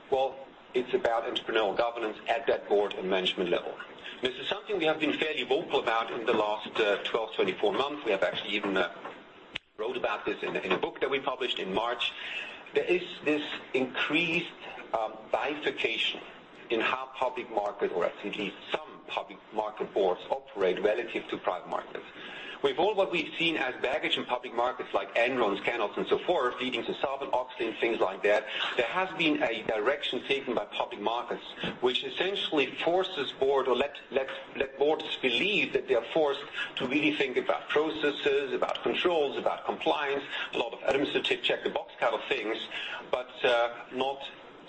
Well, it's about entrepreneurial governance at that board and management level. This is something we have been fairly vocal about in the last 12, 24 months. We have actually even wrote about this in a book that we published in March. There is this increased bifurcation in how public markets, or at least some public market boards operate relative to private markets. With all what we've seen as baggage in public markets like Enron, WorldCom, and so forth, leading to Sarbanes-Oxley and things like that, there has been a direction taken by public markets, which essentially forces board or let boards believe that they are forced to really think about processes, about controls, about compliance, a lot of administrative check-the-box kind of things, but not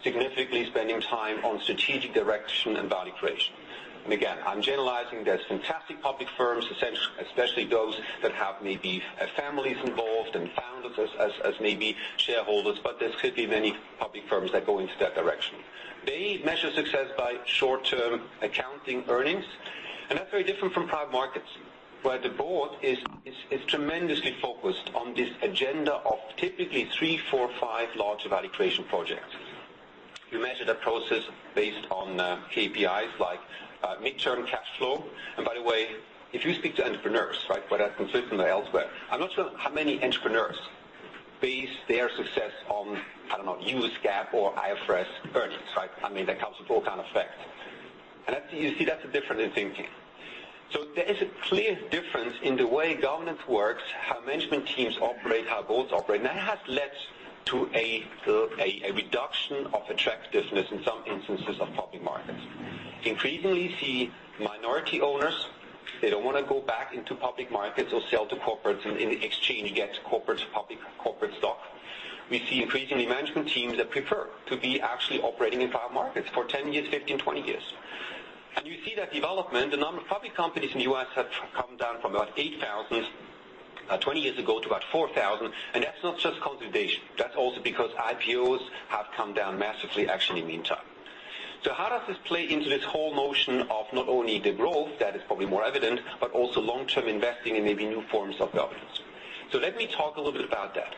significantly spending time on strategic direction and value creation. Again, I'm generalizing. There's fantastic public firms, especially those that have maybe families involved and founders as maybe shareholders, but there could be many public firms that go into that direction. They measure success by short-term accounting earnings, and that's very different from private markets, where the board is tremendously focused on this agenda of typically three, four, five large value creation projects. You measure that process based on KPIs like midterm cash flow. By the way, if you speak to entrepreneurs, whether that's in Switzerland or elsewhere, I'm not sure how many entrepreneurs base their success on, I don't know, US GAAP or IFRS earnings, right? That comes with all kind of effects. You see that's a difference in thinking. There is a clear difference in the way governance works, how management teams operate, how boards operate, and that has led to a reduction of attractiveness in some instances of public markets. Increasingly see minority owners, they don't want to go back into public markets or sell to corporates, and in exchange, you get corporate stock. We see increasingly management teams that prefer to be actually operating in private markets for 10 years, 15, 20 years. You see that development. The number of public companies in the U.S. have come down from about 8,000 20 years ago to about 4,000. That's not just consolidation. That's also because IPOs have come down massively actually in the meantime. How does this play into this whole notion of not only the growth that is probably more evident, but also long-term investing in maybe new forms of governance? Let me talk a little bit about that.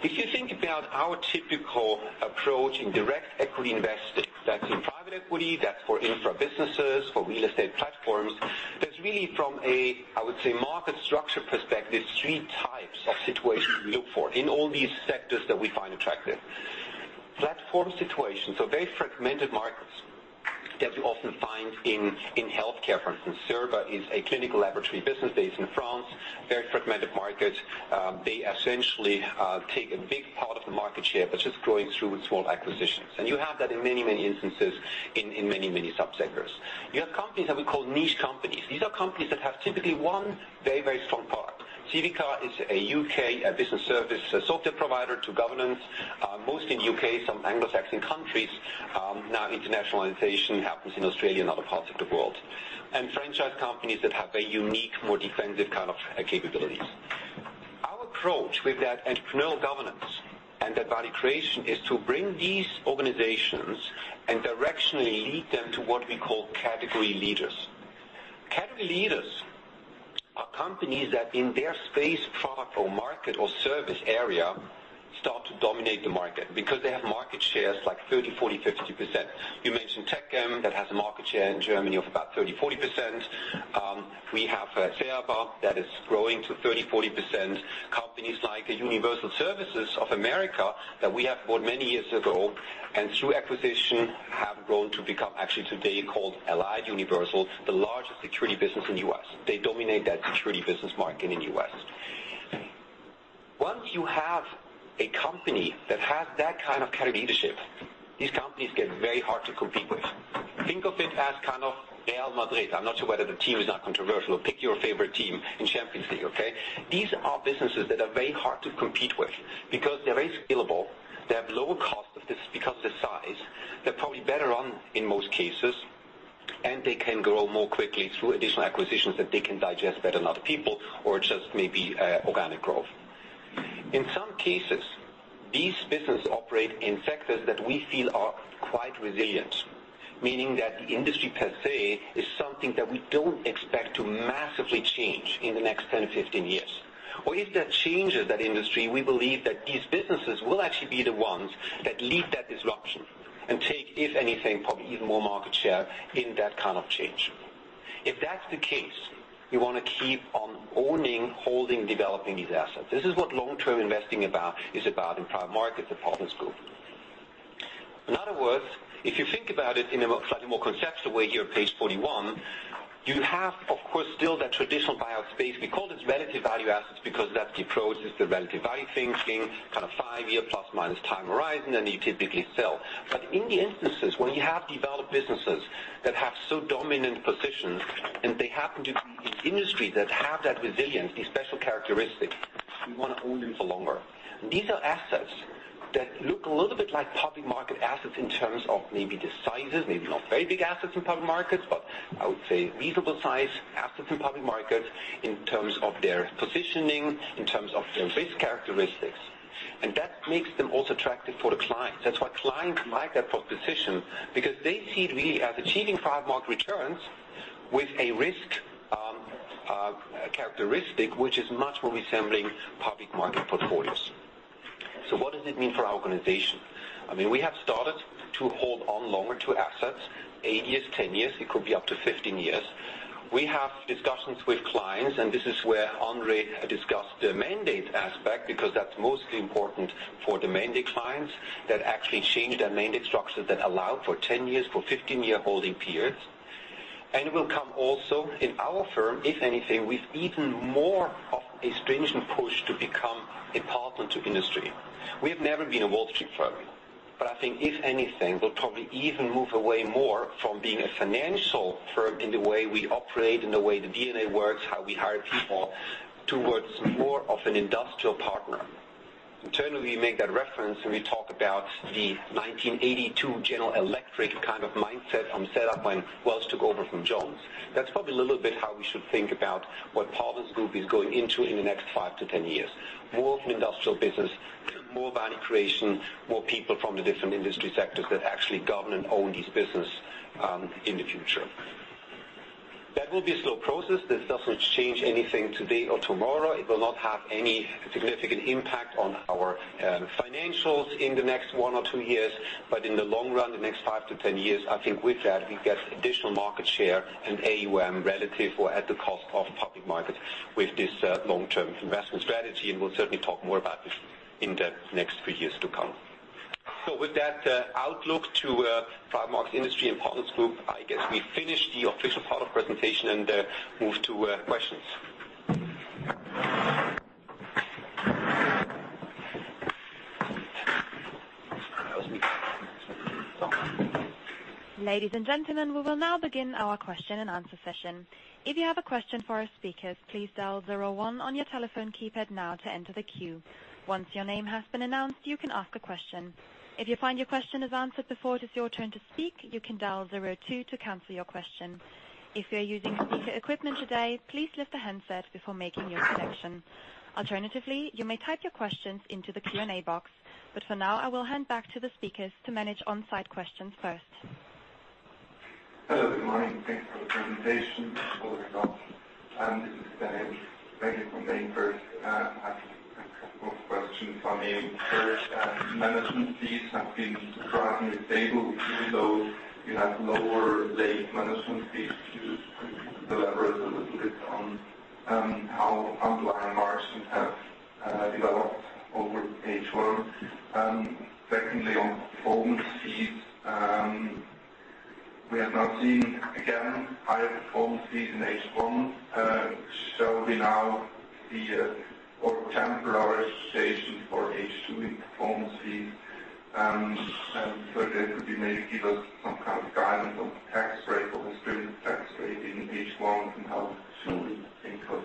If you think about our typical approach in direct equity investing, that's in private equity, that's for infra businesses, for real estate platforms. There's really from a, I would say, market structure perspective, 3 types of situations we look for in all these sectors that we find attractive. Platform situations are very fragmented markets that you often find in healthcare, for instance. Cerba is a clinical laboratory business based in France, very fragmented market. They essentially take a big part of the market share by just growing through small acquisitions. You have that in many instances in many sub-sectors. You have companies that we call niche companies. These are companies that have typically one very strong product. Civica is a U.K. business service software provider to governance, mostly in U.K., some Anglo-Saxon countries. Now internationalization happens in Australia and other parts of the world. Franchise companies that have a unique, more defensive kind of capabilities. Our approach with that entrepreneurial governance and that value creation is to bring these organizations and directionally lead them to what we call category leaders. Category leaders are companies that in their space, product, or market, or service area start to dominate the market because they have market shares like 30%, 40%, 50%. You mentioned Techem, that has a market share in Germany of about 30%, 40%. We have Cerba that is growing to 30%, 40%. Companies like Universal Services of America that we have bought many years ago, and through acquisition, have grown to become actually today called Allied Universal, the largest security business in U.S. They dominate that security business market in U.S. Once you have a company that has that kind of category leadership, these companies get very hard to compete with. Think of it as Real Madrid. I'm not sure whether the team is that controversial. Pick your favorite team in Champions League, okay. These are businesses that are very hard to compete with because they're very scalable. They have lower cost because of the size. They're probably better run in most cases, and they can grow more quickly through additional acquisitions that they can digest better than other people, or just maybe organic growth. In some cases, these businesses operate in sectors that we feel are quite resilient. Meaning that the industry per se is something that we don't expect to massively change in the next 10-15 years. Or if that changes that industry, we believe that these businesses will actually be the ones that lead that disruption and take, if anything, probably even more market share in that kind of change. If that's the case, we want to keep on owning, holding, developing these assets. This is what long-term investing is about in private markets at Partners Group. In other words, if you think about it in a slightly more conceptual way here on page 41, you have, of course, still that traditional buyout space. We call this relative value assets because that's the approach, it's the relative value thinking, five-year plus minus time horizon, and you typically sell. In the instances when you have developed businesses that have so dominant positions and they happen to be in industries that have that resilience, a special characteristic, we want to own them for longer. These are assets that look a little bit like public market assets in terms of maybe the sizes, maybe not very big assets in public markets, but I would say reasonable size assets in public markets in terms of their positioning, in terms of their risk characteristics. That makes them also attractive for the clients. That's why clients like that proposition because they see it really as achieving private market returns with a risk characteristic which is much more resembling public market portfolios. What does it mean for our organization? We have started to hold on longer to assets, eight years, 10 years, it could be up to 15 years. We have discussions with clients, and this is where André discussed the mandate aspect, because that's mostly important for the mandate clients that actually change their mandate structure that allow for 10 years, for 15-year holding periods. It will come also in our firm, if anything, with even more of a stringent push to become a partner to industry. We have never been a Wall Street firm. I think if anything, we'll probably even move away more from being a financial firm in the way we operate, in the way the DNA works, how we hire people, towards more of an industrial partner. Internally, we make that reference when we talk about the 1982 General Electric mindset from set up when Welch took over from Jones. That's probably a little bit how we should think about what Partners Group is going into in the next 5 to 10 years. More of an industrial business, more value creation, more people from the different industry sectors that actually govern and own this business in the future. That will be a slow process. This doesn't change anything today or tomorrow. It will not have any significant impact on our financials in the next one or two years. In the long run, the next 5 to 10 years, I think with that, we get additional market share and AUM relative or at the cost of public markets with this long-term investment strategy, and we'll certainly talk more about this in the next few years to come. With that outlook to private market industry and Partners Group, I guess we finish the official part of presentation and move to questions. Ladies and gentlemen, we will now begin our question and answer session. If you have a question for our speakers, please dial 01 on your telephone keypad now to enter the queue. Once your name has been announced, you can ask a question. If you find your question is answered before it is your turn to speak, you can dial 02 to cancel your question. If you're using speaker equipment today, please lift the handset before making your selection. Alternatively, you may type your questions into the Q&A box. For now, I will hand back to the speakers to manage on-site questions first. Hello, good morning. Thanks for the presentation. No problem. This is [Daniel from Bank Vontobel.] I have a couple of questions for me. First, management fees have been surprisingly stable. Even though you have lower late management fees. Could you elaborate a little bit on how underlying margins have developed over H1? Secondly, on performance fees. We have not seen, again, higher performance fees in H1. Shall we now see a more temporary situation for H2 in performance fees? Thirdly, could you maybe give us some kind of guidance on tax rate or distributed tax rate in H1 and how it should improve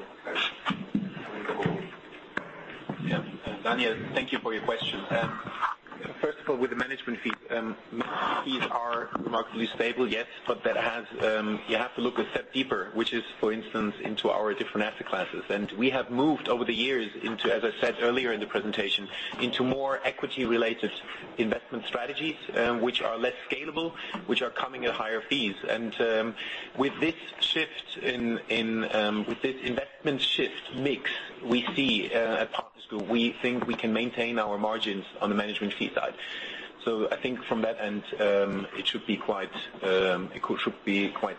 going forward? Daniel, thank you for your question. First of all, with the management fees. Management fees are remarkably stable, yes. You have to look a step deeper, which is, for instance, into our different asset classes. We have moved over the years into, as I said earlier in the presentation, into more equity-related investment strategies, which are less scalable, which are coming at higher fees. With this investment shift mix we see at Partners Group, we think we can maintain our margins on the management fee side. I think from that end, it should be quite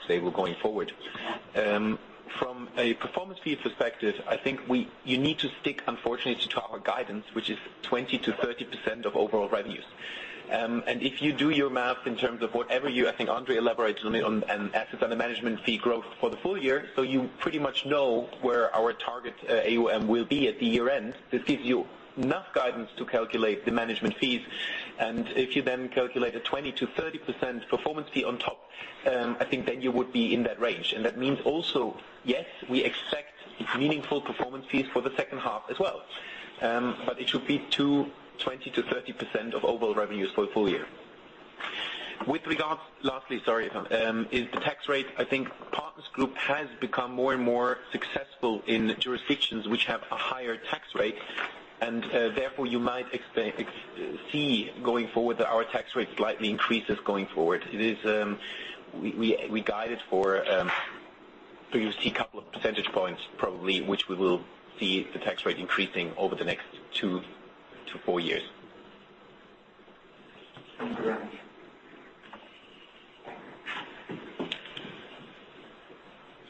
stable going forward. From a performance fee perspective, I think you need to stick, unfortunately, to our guidance, which is 20%-30% of overall revenues. If you do your math in terms of whatever you, I think André elaborated on assets under management fee growth for the full year, you pretty much know where our target AUM will be at the year-end. This gives you enough guidance to calculate the management fees. If you then calculate a 20%-30% performance fee on top, I think then you would be in that range. That means also, yes, we expect meaningful performance fees for the second half as well. It should be 20%-30% of overall revenues for the full year. With regards, lastly, sorry, Evan, is the tax rate. I think Partners Group has become more and more successful in jurisdictions which have a higher tax rate. Therefore, you might see, going forward, that our tax rate slightly increases going forward. You'll see a couple of percentage points probably, which we will see the tax rate increasing over the next two to four years. Thank you.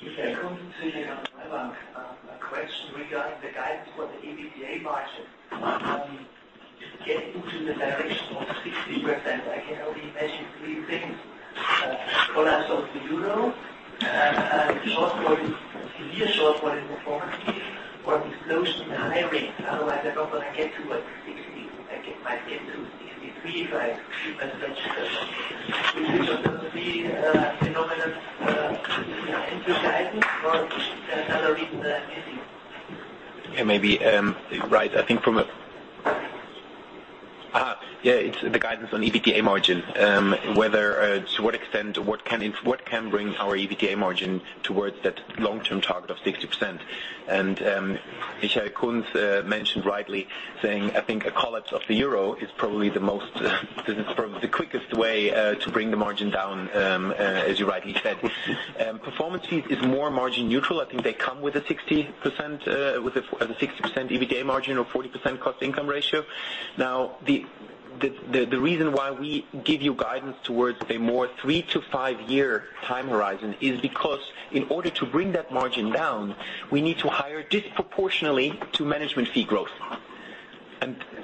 Michael Kunz here from Helaba. A question regarding the guidance for the EBITDA margin. To get into the direction of 60%, I can only imagine three things. Collapse of the euro, a short fall in performance fees or a decline in high rates. Otherwise, I don't know how I get to 60. I might get to 53 if I Yeah, maybe. Right. Yeah, it's the guidance on EBITDA margin, to what extent, what can bring our EBITDA margin towards that long-term target of 60%? Michael Kunz mentioned rightly, saying, I think a collapse of the euro is probably the quickest way to bring the margin down, as you rightly said. Performance fees is more margin neutral. I think they come with a 60% EBITDA margin or 40% cost income ratio. The reason why we give you guidance towards a more three to five-year time horizon is because in order to bring that margin down, we need to hire disproportionately to management fee growth.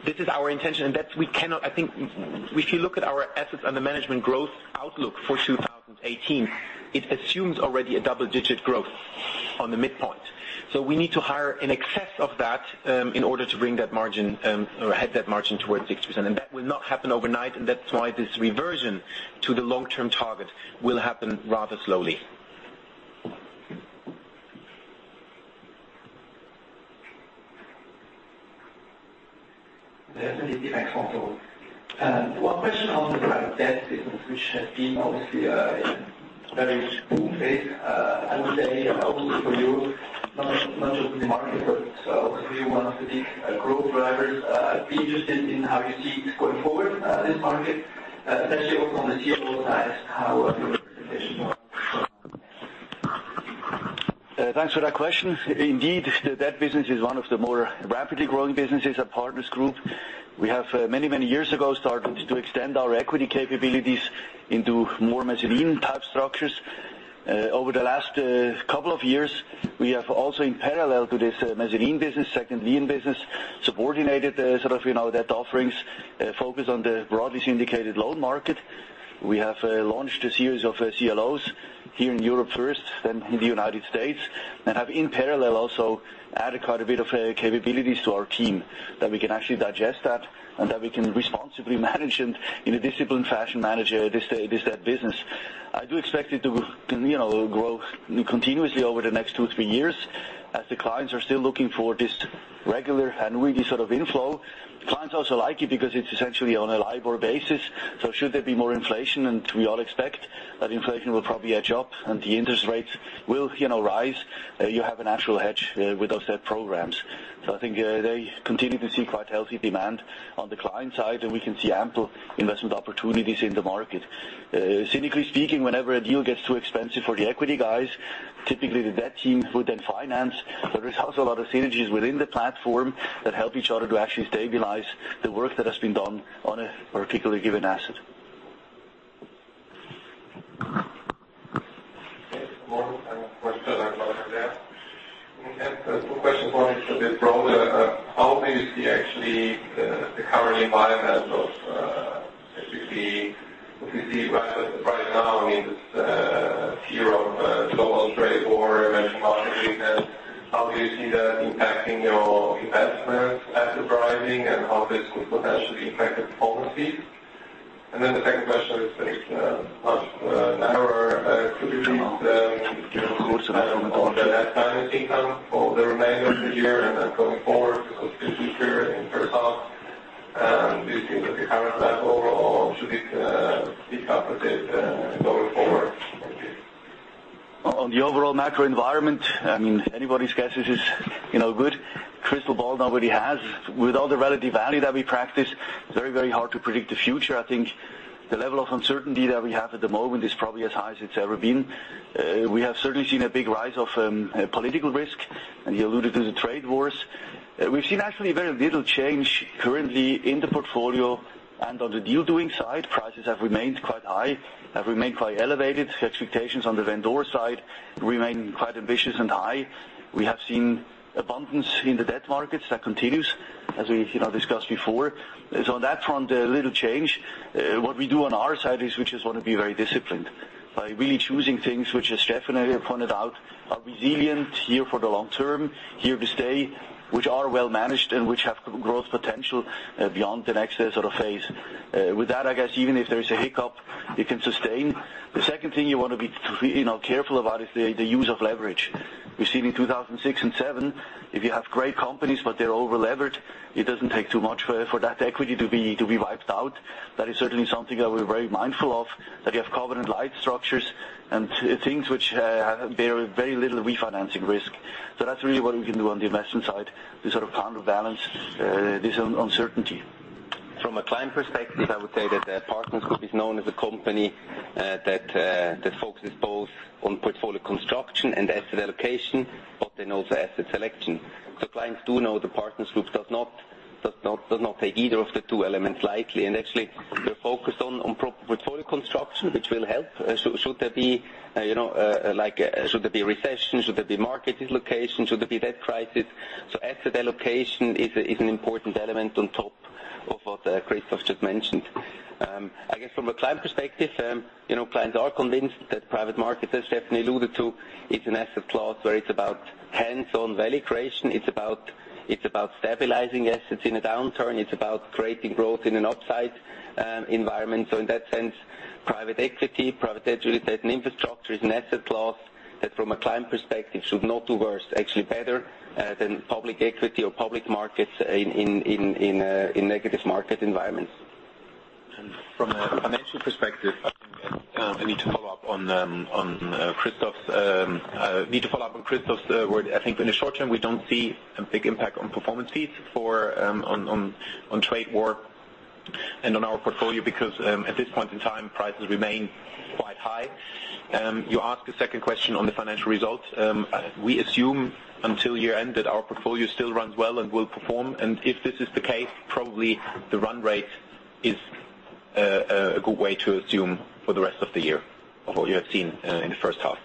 This is our intention. If you look at our assets under management growth outlook for 2018, it assumes already a double-digit growth on the midpoint. We need to hire in excess of that in order to bring that margin, or head that margin towards 60%. That will not happen overnight, and that's why this reversion to the long-term target will happen rather slowly. One question on the debt business, which has been obviously a very boom phase, I would say, also for you, not just in the market, but also for you, one of the big growth drivers. I'd be interested in how you see it going forward, this market, especially also on the CLO side, how your expectations are. Thanks for that question. Indeed, the debt business is one of the more rapidly growing businesses at Partners Group. We have many years ago, started to extend our equity capabilities into more mezzanine-type structures. Over the last couple of years, we have also, in parallel to this mezzanine business, second lien business, subordinated sort of debt offerings, focused on the broadest syndicated loan market. We have launched a series of CLOs here in Europe first, then in the United States, and have in parallel also added quite a bit of capabilities to our team that we can actually digest that and that we can responsibly manage and in a disciplined fashion, manage this debt business. I do expect it to grow continuously over the next two, three years as the clients are still looking for this regular and really sort of inflow. Clients also like it because it's essentially on a LIBOR basis, should there be more inflation, and we all expect that inflation will probably edge up and the interest rates will rise, you have a natural hedge with those debt programs. I think they continue to see quite healthy demand on the client side, and we can see ample investment opportunities in the market. Cynically speaking, whenever a deal gets too expensive for the equity guys, typically the debt team would then finance. There is also a lot of synergies within the platform that help each other to actually stabilize the work that has been done on a particular given asset. Okay. Two questions for you, a bit broader. How do you see actually the current environment of, especially what we see right now, I mean, this fear of global trade war, emerging market weakness, how do you see that impacting your investments as of rising, and how this could potentially impact performance fees? The second question is much narrower. Could you give us some guidance on the net finance income for the remainder of the year and then going forward? It's been clear in the first half. Do you think that the current level or should it pick up a bit going forward? Thank you. On the overall macro environment, anybody's guess is good. Crystal ball nobody has. With all the relative value that we practice, very hard to predict the future. The level of uncertainty that we have at the moment is probably as high as it's ever been. We have certainly seen a big rise of political risk, and you alluded to the trade wars. We've seen actually very little change currently in the portfolio and on the deal-doing side. Prices have remained quite high, have remained quite elevated. Expectations on the vendor side remain quite ambitious and high. We have seen abundance in the debt markets. That continues, as we discussed before. On that front, there is little change. What we do on our side is we just want to be very disciplined by really choosing things which, as Steffen earlier pointed out, are resilient here for the long term, here to stay, which are well managed, and which have growth potential beyond the next phase. With that, I guess even if there's a hiccup, you can sustain. The second thing you want to be careful about is the use of leverage. We've seen in 2006 and 2007, if you have great companies, but they're over-levered, it doesn't take too much for that equity to be wiped out. That is certainly something that we're very mindful of, that you have covenant-light structures and things which have very little refinancing risk. That's really what we can do on the investment side to counterbalance this uncertainty. From a client perspective, I would say that Partners Group is known as a company that focuses both on portfolio construction and asset allocation, also asset selection. Clients do know that Partners Group does not take either of the two elements lightly. Actually, we're focused on portfolio construction, which will help should there be a recession, should there be market dislocation, should there be that crisis. Asset allocation is an important element on top of what Christoph just mentioned. I guess from a client perspective, clients are convinced that private markets, as Steffen alluded to, is an asset class where it's about hands-on value creation. It's about stabilizing assets in a downturn. It's about creating growth in an upside environment. In that sense, private equity, private real estate, and infrastructure is an asset class that, from a client perspective, should not do worse, actually better than public equity or public markets in negative market environments. From a financial perspective, I think I need to follow up on Christoph's word. I think in the short term, we don't see a big impact on performance fees on trade war and on our portfolio, because at this point in time, prices remain quite high. You asked a second question on the financial results. We assume until year-end that our portfolio still runs well and will perform. If this is the case, probably the run rate is a good way to assume for the rest of the year of what you have seen in the first half.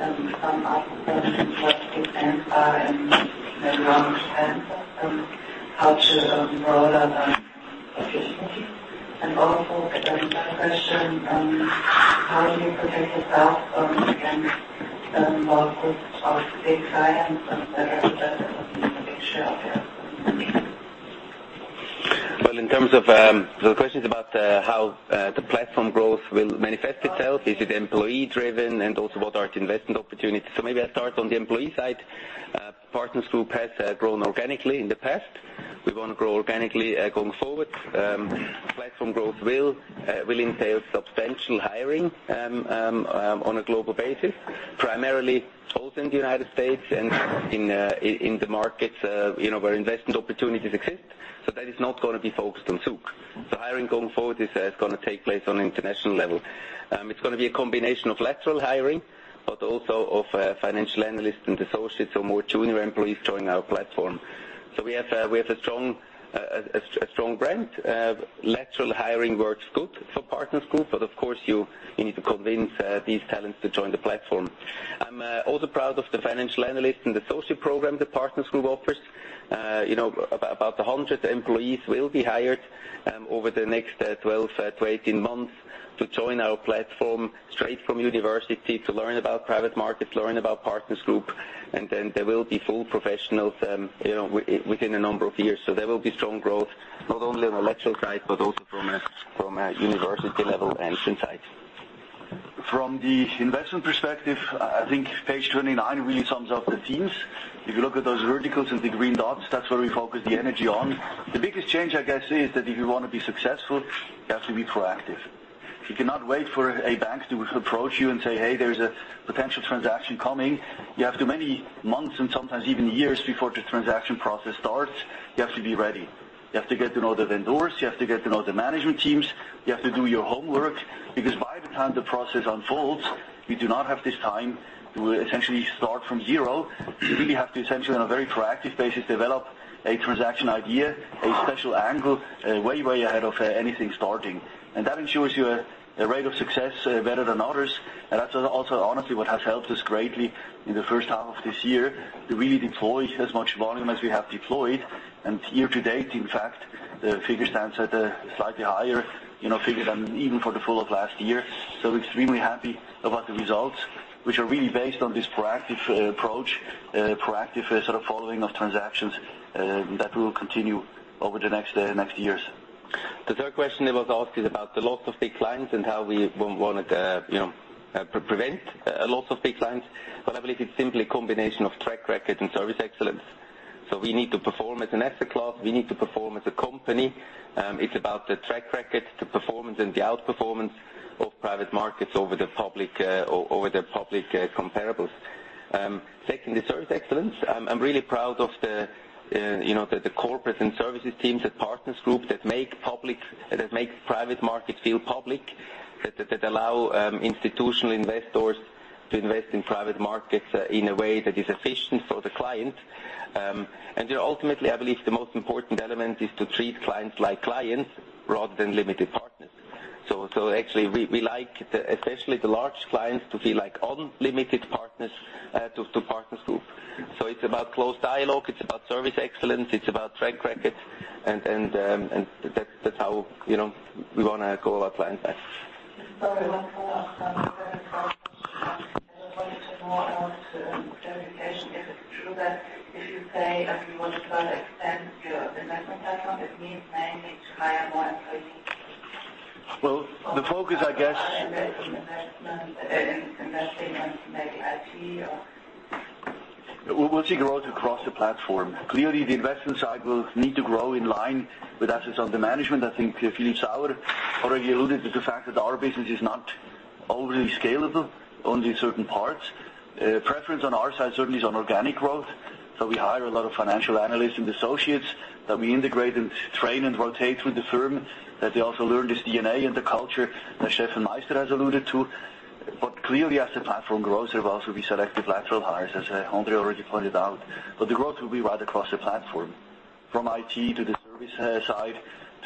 The question is about how the platform growth will manifest itself. Is it employee driven? Also, what are the investment opportunities? Maybe I'll start on the employee side. Partners Group has grown organically in the past. We want to grow organically going forward. Platform growth will entail substantial hiring on a global basis, primarily both in the U.S. and in the markets where investment opportunities exist. That is not going to be focused on Zug. Hiring going forward is going to take place on an international level. It's going to be a combination of lateral hiring, also of financial analysts and associates or more junior employees joining our platform. We have a strong brand. Lateral hiring works good for Partners Group, of course, you need to convince these talents to join the platform. I'm also proud of the financial analyst and associate program that Partners Group offers. About 100 employees will be hired over the next 12 to 18 months to join our platform straight from university to learn about private markets, learn about Partners Group, and then they will be full professionals within a number of years. There will be strong growth, not only on the lateral side, but also from a university level and inside. From the investment perspective, I think page 29 really sums up the themes. If you look at those verticals and the green dots, that's where we focus the energy on. The biggest change, I guess, is that if you want to be successful, you have to be proactive. You cannot wait for a bank to approach you and say, "Hey, there's a potential transaction coming." You have to many months and sometimes even years before the transaction process starts. You have to be ready. You have to get to know the vendors. You have to get to know the management teams. You have to do your homework because by the time the process unfolds, you do not have this time to essentially start from zero. You really have to essentially, on a very proactive basis, develop a transaction idea, a special angle, way ahead of anything starting. That ensures you a rate of success better than others. That's also honestly what has helped us greatly in the first half of this year to really deploy as much volume as we have deployed. Year to date, in fact, the figure stands at a slightly higher figure than even for the full of last year. Extremely happy about the results, which are really based on this proactive approach, proactive following of transactions that will continue over the next years. The third question that was asked is about the loss of big clients and how we want to prevent a loss of big clients. I believe it's simply a combination of track record and service excellence. We need to perform as an asset class. We need to perform as a company. It's about the track record, the performance, and the outperformance of private markets over the public comparables. Secondly, service excellence. I'm really proud of the corporate and services teams at Partners Group that make private markets feel public, that allow institutional investors to invest in private markets in a way that is efficient for the client. Ultimately, I believe the most important element is to treat clients like clients rather than limited partners. Actually, we like, especially the large clients, to feel like unlimited partners to Partners Group. It's about close dialogue, it's about service excellence, it's about track record, and that's how we want to grow our client base. Sorry, one more question. I wanted more clarification if it is true that if you say as you want to expand your investment platform, it means mainly to hire more employees. Well, the focus, I guess- Investing in maybe IT or We will see growth across the platform. Clearly, the investment cycles need to grow in line with assets under management. I think Philip Sauer already alluded to the fact that our business is not overly scalable, only certain parts. Preference on our side certainly is on organic growth. We hire a lot of financial analysts and associates that we integrate and train and rotate through the firm, that they also learn this DNA and the culture that Steffen Meister has alluded to. Clearly, as the platform grows, there will also be selective lateral hires, as André already pointed out. The growth will be right across the platform, from IT to the service side,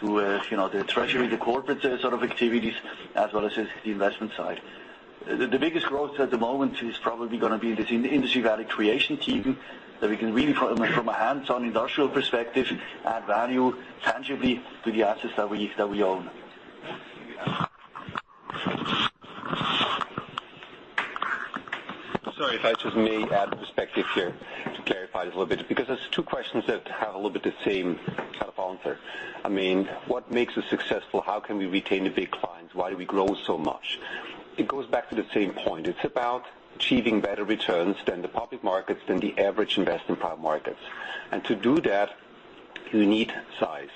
to the treasury, the corporate sort of activities, as well as the investment side. The biggest growth at the moment is probably going to be in this industry value creation team, that we can really, from a hands-on industrial perspective, add value tangibly to the assets that we own. I'm sorry if I just may add perspective here to clarify this a little bit, because there's two questions that have a little bit the same kind of answer. What makes us successful? How can we retain the big clients? Why do we grow so much? It goes back to the same point. It's about achieving better returns than the public markets, than the average invest in private markets. To do that, you need size.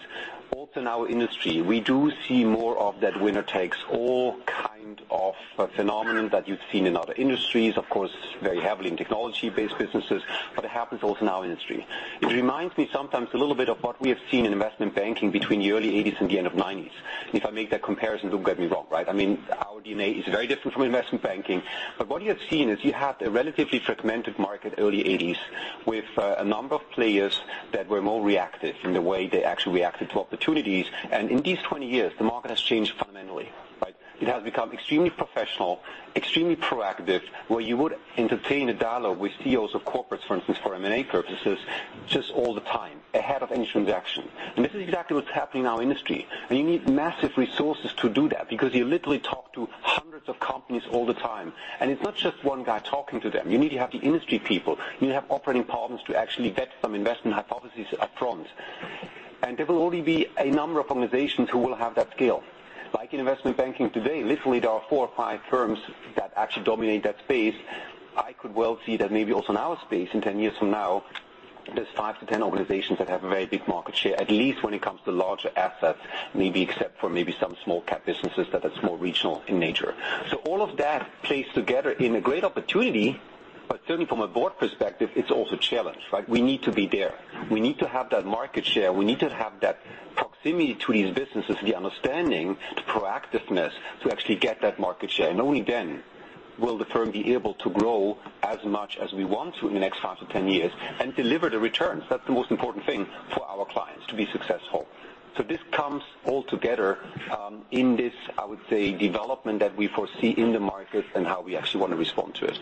Also in our industry, we do see more of that "winner takes all" kind of phenomenon that you've seen in other industries, of course, very heavily in technology-based businesses, but it happens also in our industry. It reminds me sometimes a little bit of what we have seen in investment banking between the early '80s and the end of '90s. If I make that comparison, don't get me wrong. Our DNA is very different from investment banking. What you have seen is you had a relatively fragmented market early '80s with a number of players that were more reactive in the way they actually reacted to opportunities. In these 20 years, the market has changed fundamentally. It has become extremely professional, extremely proactive, where you would entertain a dialogue with CEOs of corporates, for instance, for M&A purposes, just all the time, ahead of any transaction. This is exactly what's happening in our industry. You need massive resources to do that because you literally talk to hundreds of companies all the time. It's not just one guy talking to them. You need to have the industry people. You need to have operating partners to actually get some investment hypotheses upfront. There will only be a number of organizations who will have that scale. Like in investment banking today, literally there are four or five firms that actually dominate that space. I could well see that maybe also in our space in 10 years from now, there's five to 10 organizations that have a very big market share, at least when it comes to larger assets, maybe except for maybe some small cap businesses that are more regional in nature. All of that plays together in a great opportunity, but certainly from a board perspective, it's also a challenge, right? We need to be there. We need to have that market share. We need to have that proximity to these businesses, the understanding, the proactiveness to actually get that market share. Only then will the firm be able to grow as much as we want to in the next five to 10 years and deliver the returns. That's the most important thing for our clients to be successful. This comes all together in this, I would say, development that we foresee in the market and how we actually want to respond to it.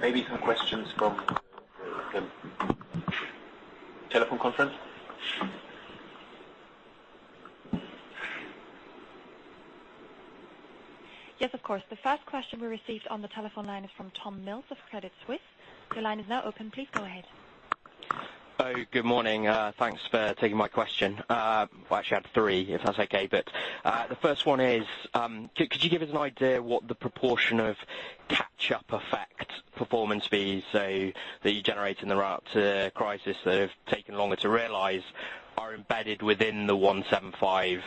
Maybe some questions from the telephone conference. Yes, of course. The first question we received on the telephone line is from Tom Mills of Credit Suisse. Your line is now open. Please go ahead. Good morning. Thanks for taking my question. Well, actually I had three, if that's okay, but the first one is could you give us an idea what the proportion of catch-up effect performance fees, so that you generate in the [route to crisis] that have taken longer to realize are embedded within the 175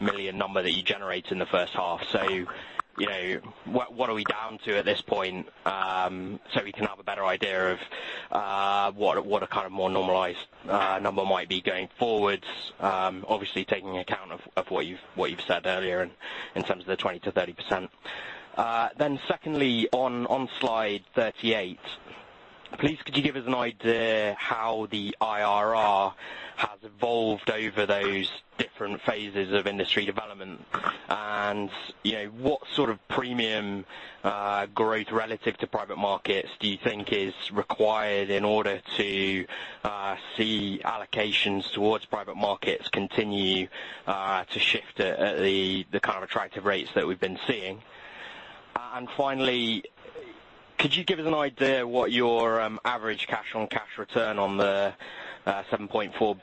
million number that you generate in the first half. What are we down to at this point so we can have a better idea of what a more normalized number might be going forwards, obviously taking account of what you've said earlier in terms of the 20%-30%? Secondly, on Slide 38, please could you give us an idea how the IRR has evolved over those different phases of industry development? What sort of premium growth relative to private markets do you think is required in order to see allocations towards private markets continue to shift at the kind of attractive rates that we have been seeing? Finally, could you give us an idea what your average cash on cash return on the 7.4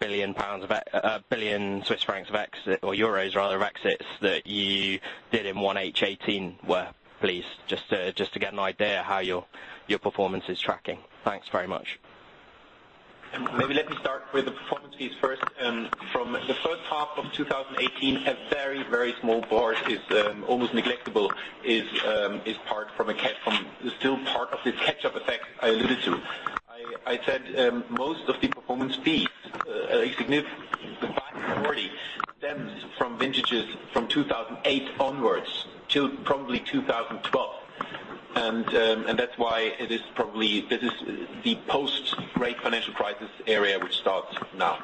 billion Swiss francs of exit, or EUR rather, of exits that you did in H1 2018 were, please? Just to get an idea how your performance is tracking. Thanks very much. Maybe let me start with the performance fees first. From the H1 2018, a very small part, is almost negligible, is still part of this catch-up effect I alluded to. I said most of the performance fees, a significant part already stems from vintages from 2008 onwards until probably 2012. That is why this is the post-great financial crisis area which starts now.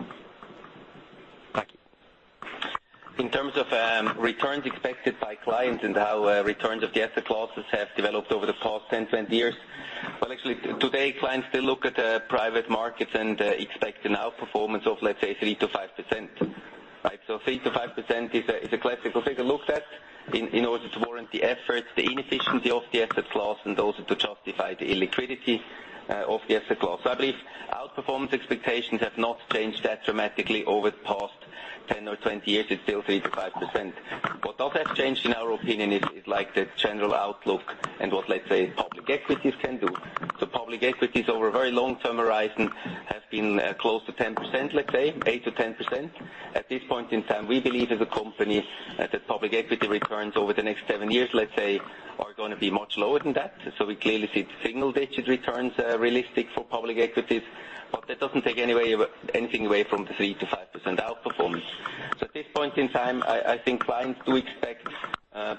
Thank you. In terms of returns expected by clients and how returns of the asset classes have developed over the past 10, 20 years. Well, actually today, clients still look at private markets and expect an outperformance of, let's say, 3%-5%. 3%-5% is a classical figure looked at in order to warrant the effort, the inefficiency of the asset class, and also to justify the illiquidity of the asset class. I believe outperformance expectations have not changed that dramatically over the past 10 or 20 years. It's still 3%-5%. What does have changed in our opinion is like the general outlook and what, let's say, public equities can do. Public equities over a very long-term horizon have been close to 10%, let's say, 8%-10%. At this point in time, we believe as a company that public equity returns over the next seven years, let's say, are going to be much lower than that. We clearly see the single-digit returns are realistic for public equities, but that doesn't take anything away from the 3%-5% outperformance. At this point in time, I think clients do expect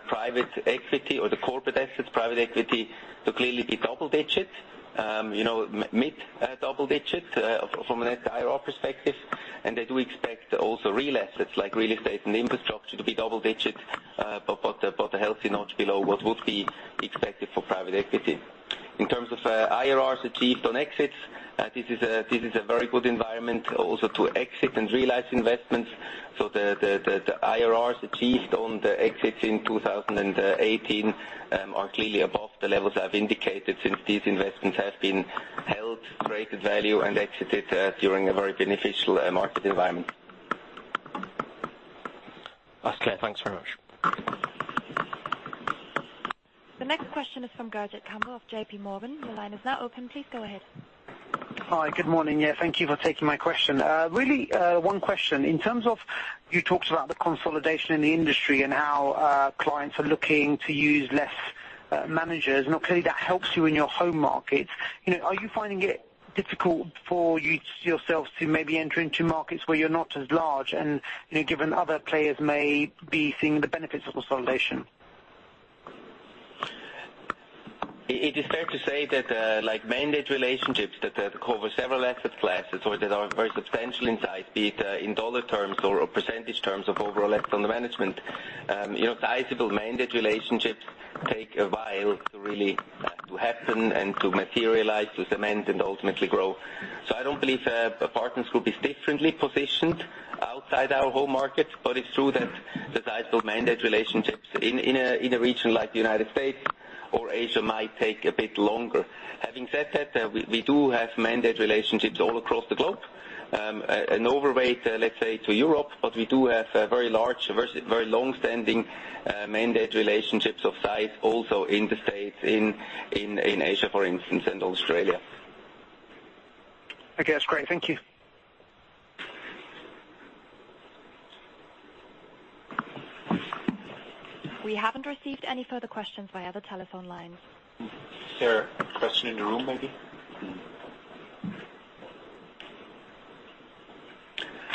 private equity or the corporate assets, private equity, to clearly be double-digit. Mid-double-digit from an IRR perspective, and they do expect also real assets like real estate and infrastructure to be double-digits, but a healthy notch below what would be expected for private equity. In terms of IRRs achieved on exits, this is a very good environment also to exit and realize investments. The IRRs achieved on the exits in 2018 are clearly above the levels I've indicated since these investments have been held, created value, and exited during a very beneficial market environment. That's clear. Thanks very much. The next question is from Gurjit Kambo of JPMorgan. Your line is now open. Please go ahead. Hi. Good morning. Thank you for taking my question. Really one question. You talked about the consolidation in the industry and how clients are looking to use less managers. Clearly that helps you in your home markets. Are you finding it difficult for yourselves to maybe enter into markets where you're not as large and given other players may be seeing the benefits of consolidation? It is fair to say that mandate relationships that cover several asset classes or that are very substantial in size, be it in dollar terms or percentage terms of overall assets under management. Sizable mandate relationships take a while to really happen and to materialize, to cement, and ultimately grow. I don't believe that Partners will be differently positioned outside our home market. It's true that the size of mandate relationships in a region like the U.S. or Asia might take a bit longer. Having said that, we do have mandate relationships all across the globe. An overweight, let's say, to Europe, but we do have very large, very long-standing mandate relationships of size also in the U.S., in Asia, for instance, and Australia. Okay. That's great. Thank you. We haven't received any further questions via the telephone lines. Is there a question in the room, maybe?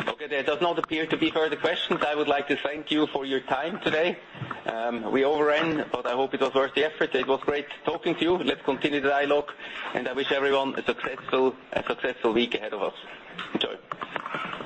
Okay, there does not appear to be further questions. I would like to thank you for your time today. We overran, but I hope it was worth the effort. It was great talking to you. Let's continue the dialogue and I wish everyone a successful week ahead of us. Enjoy.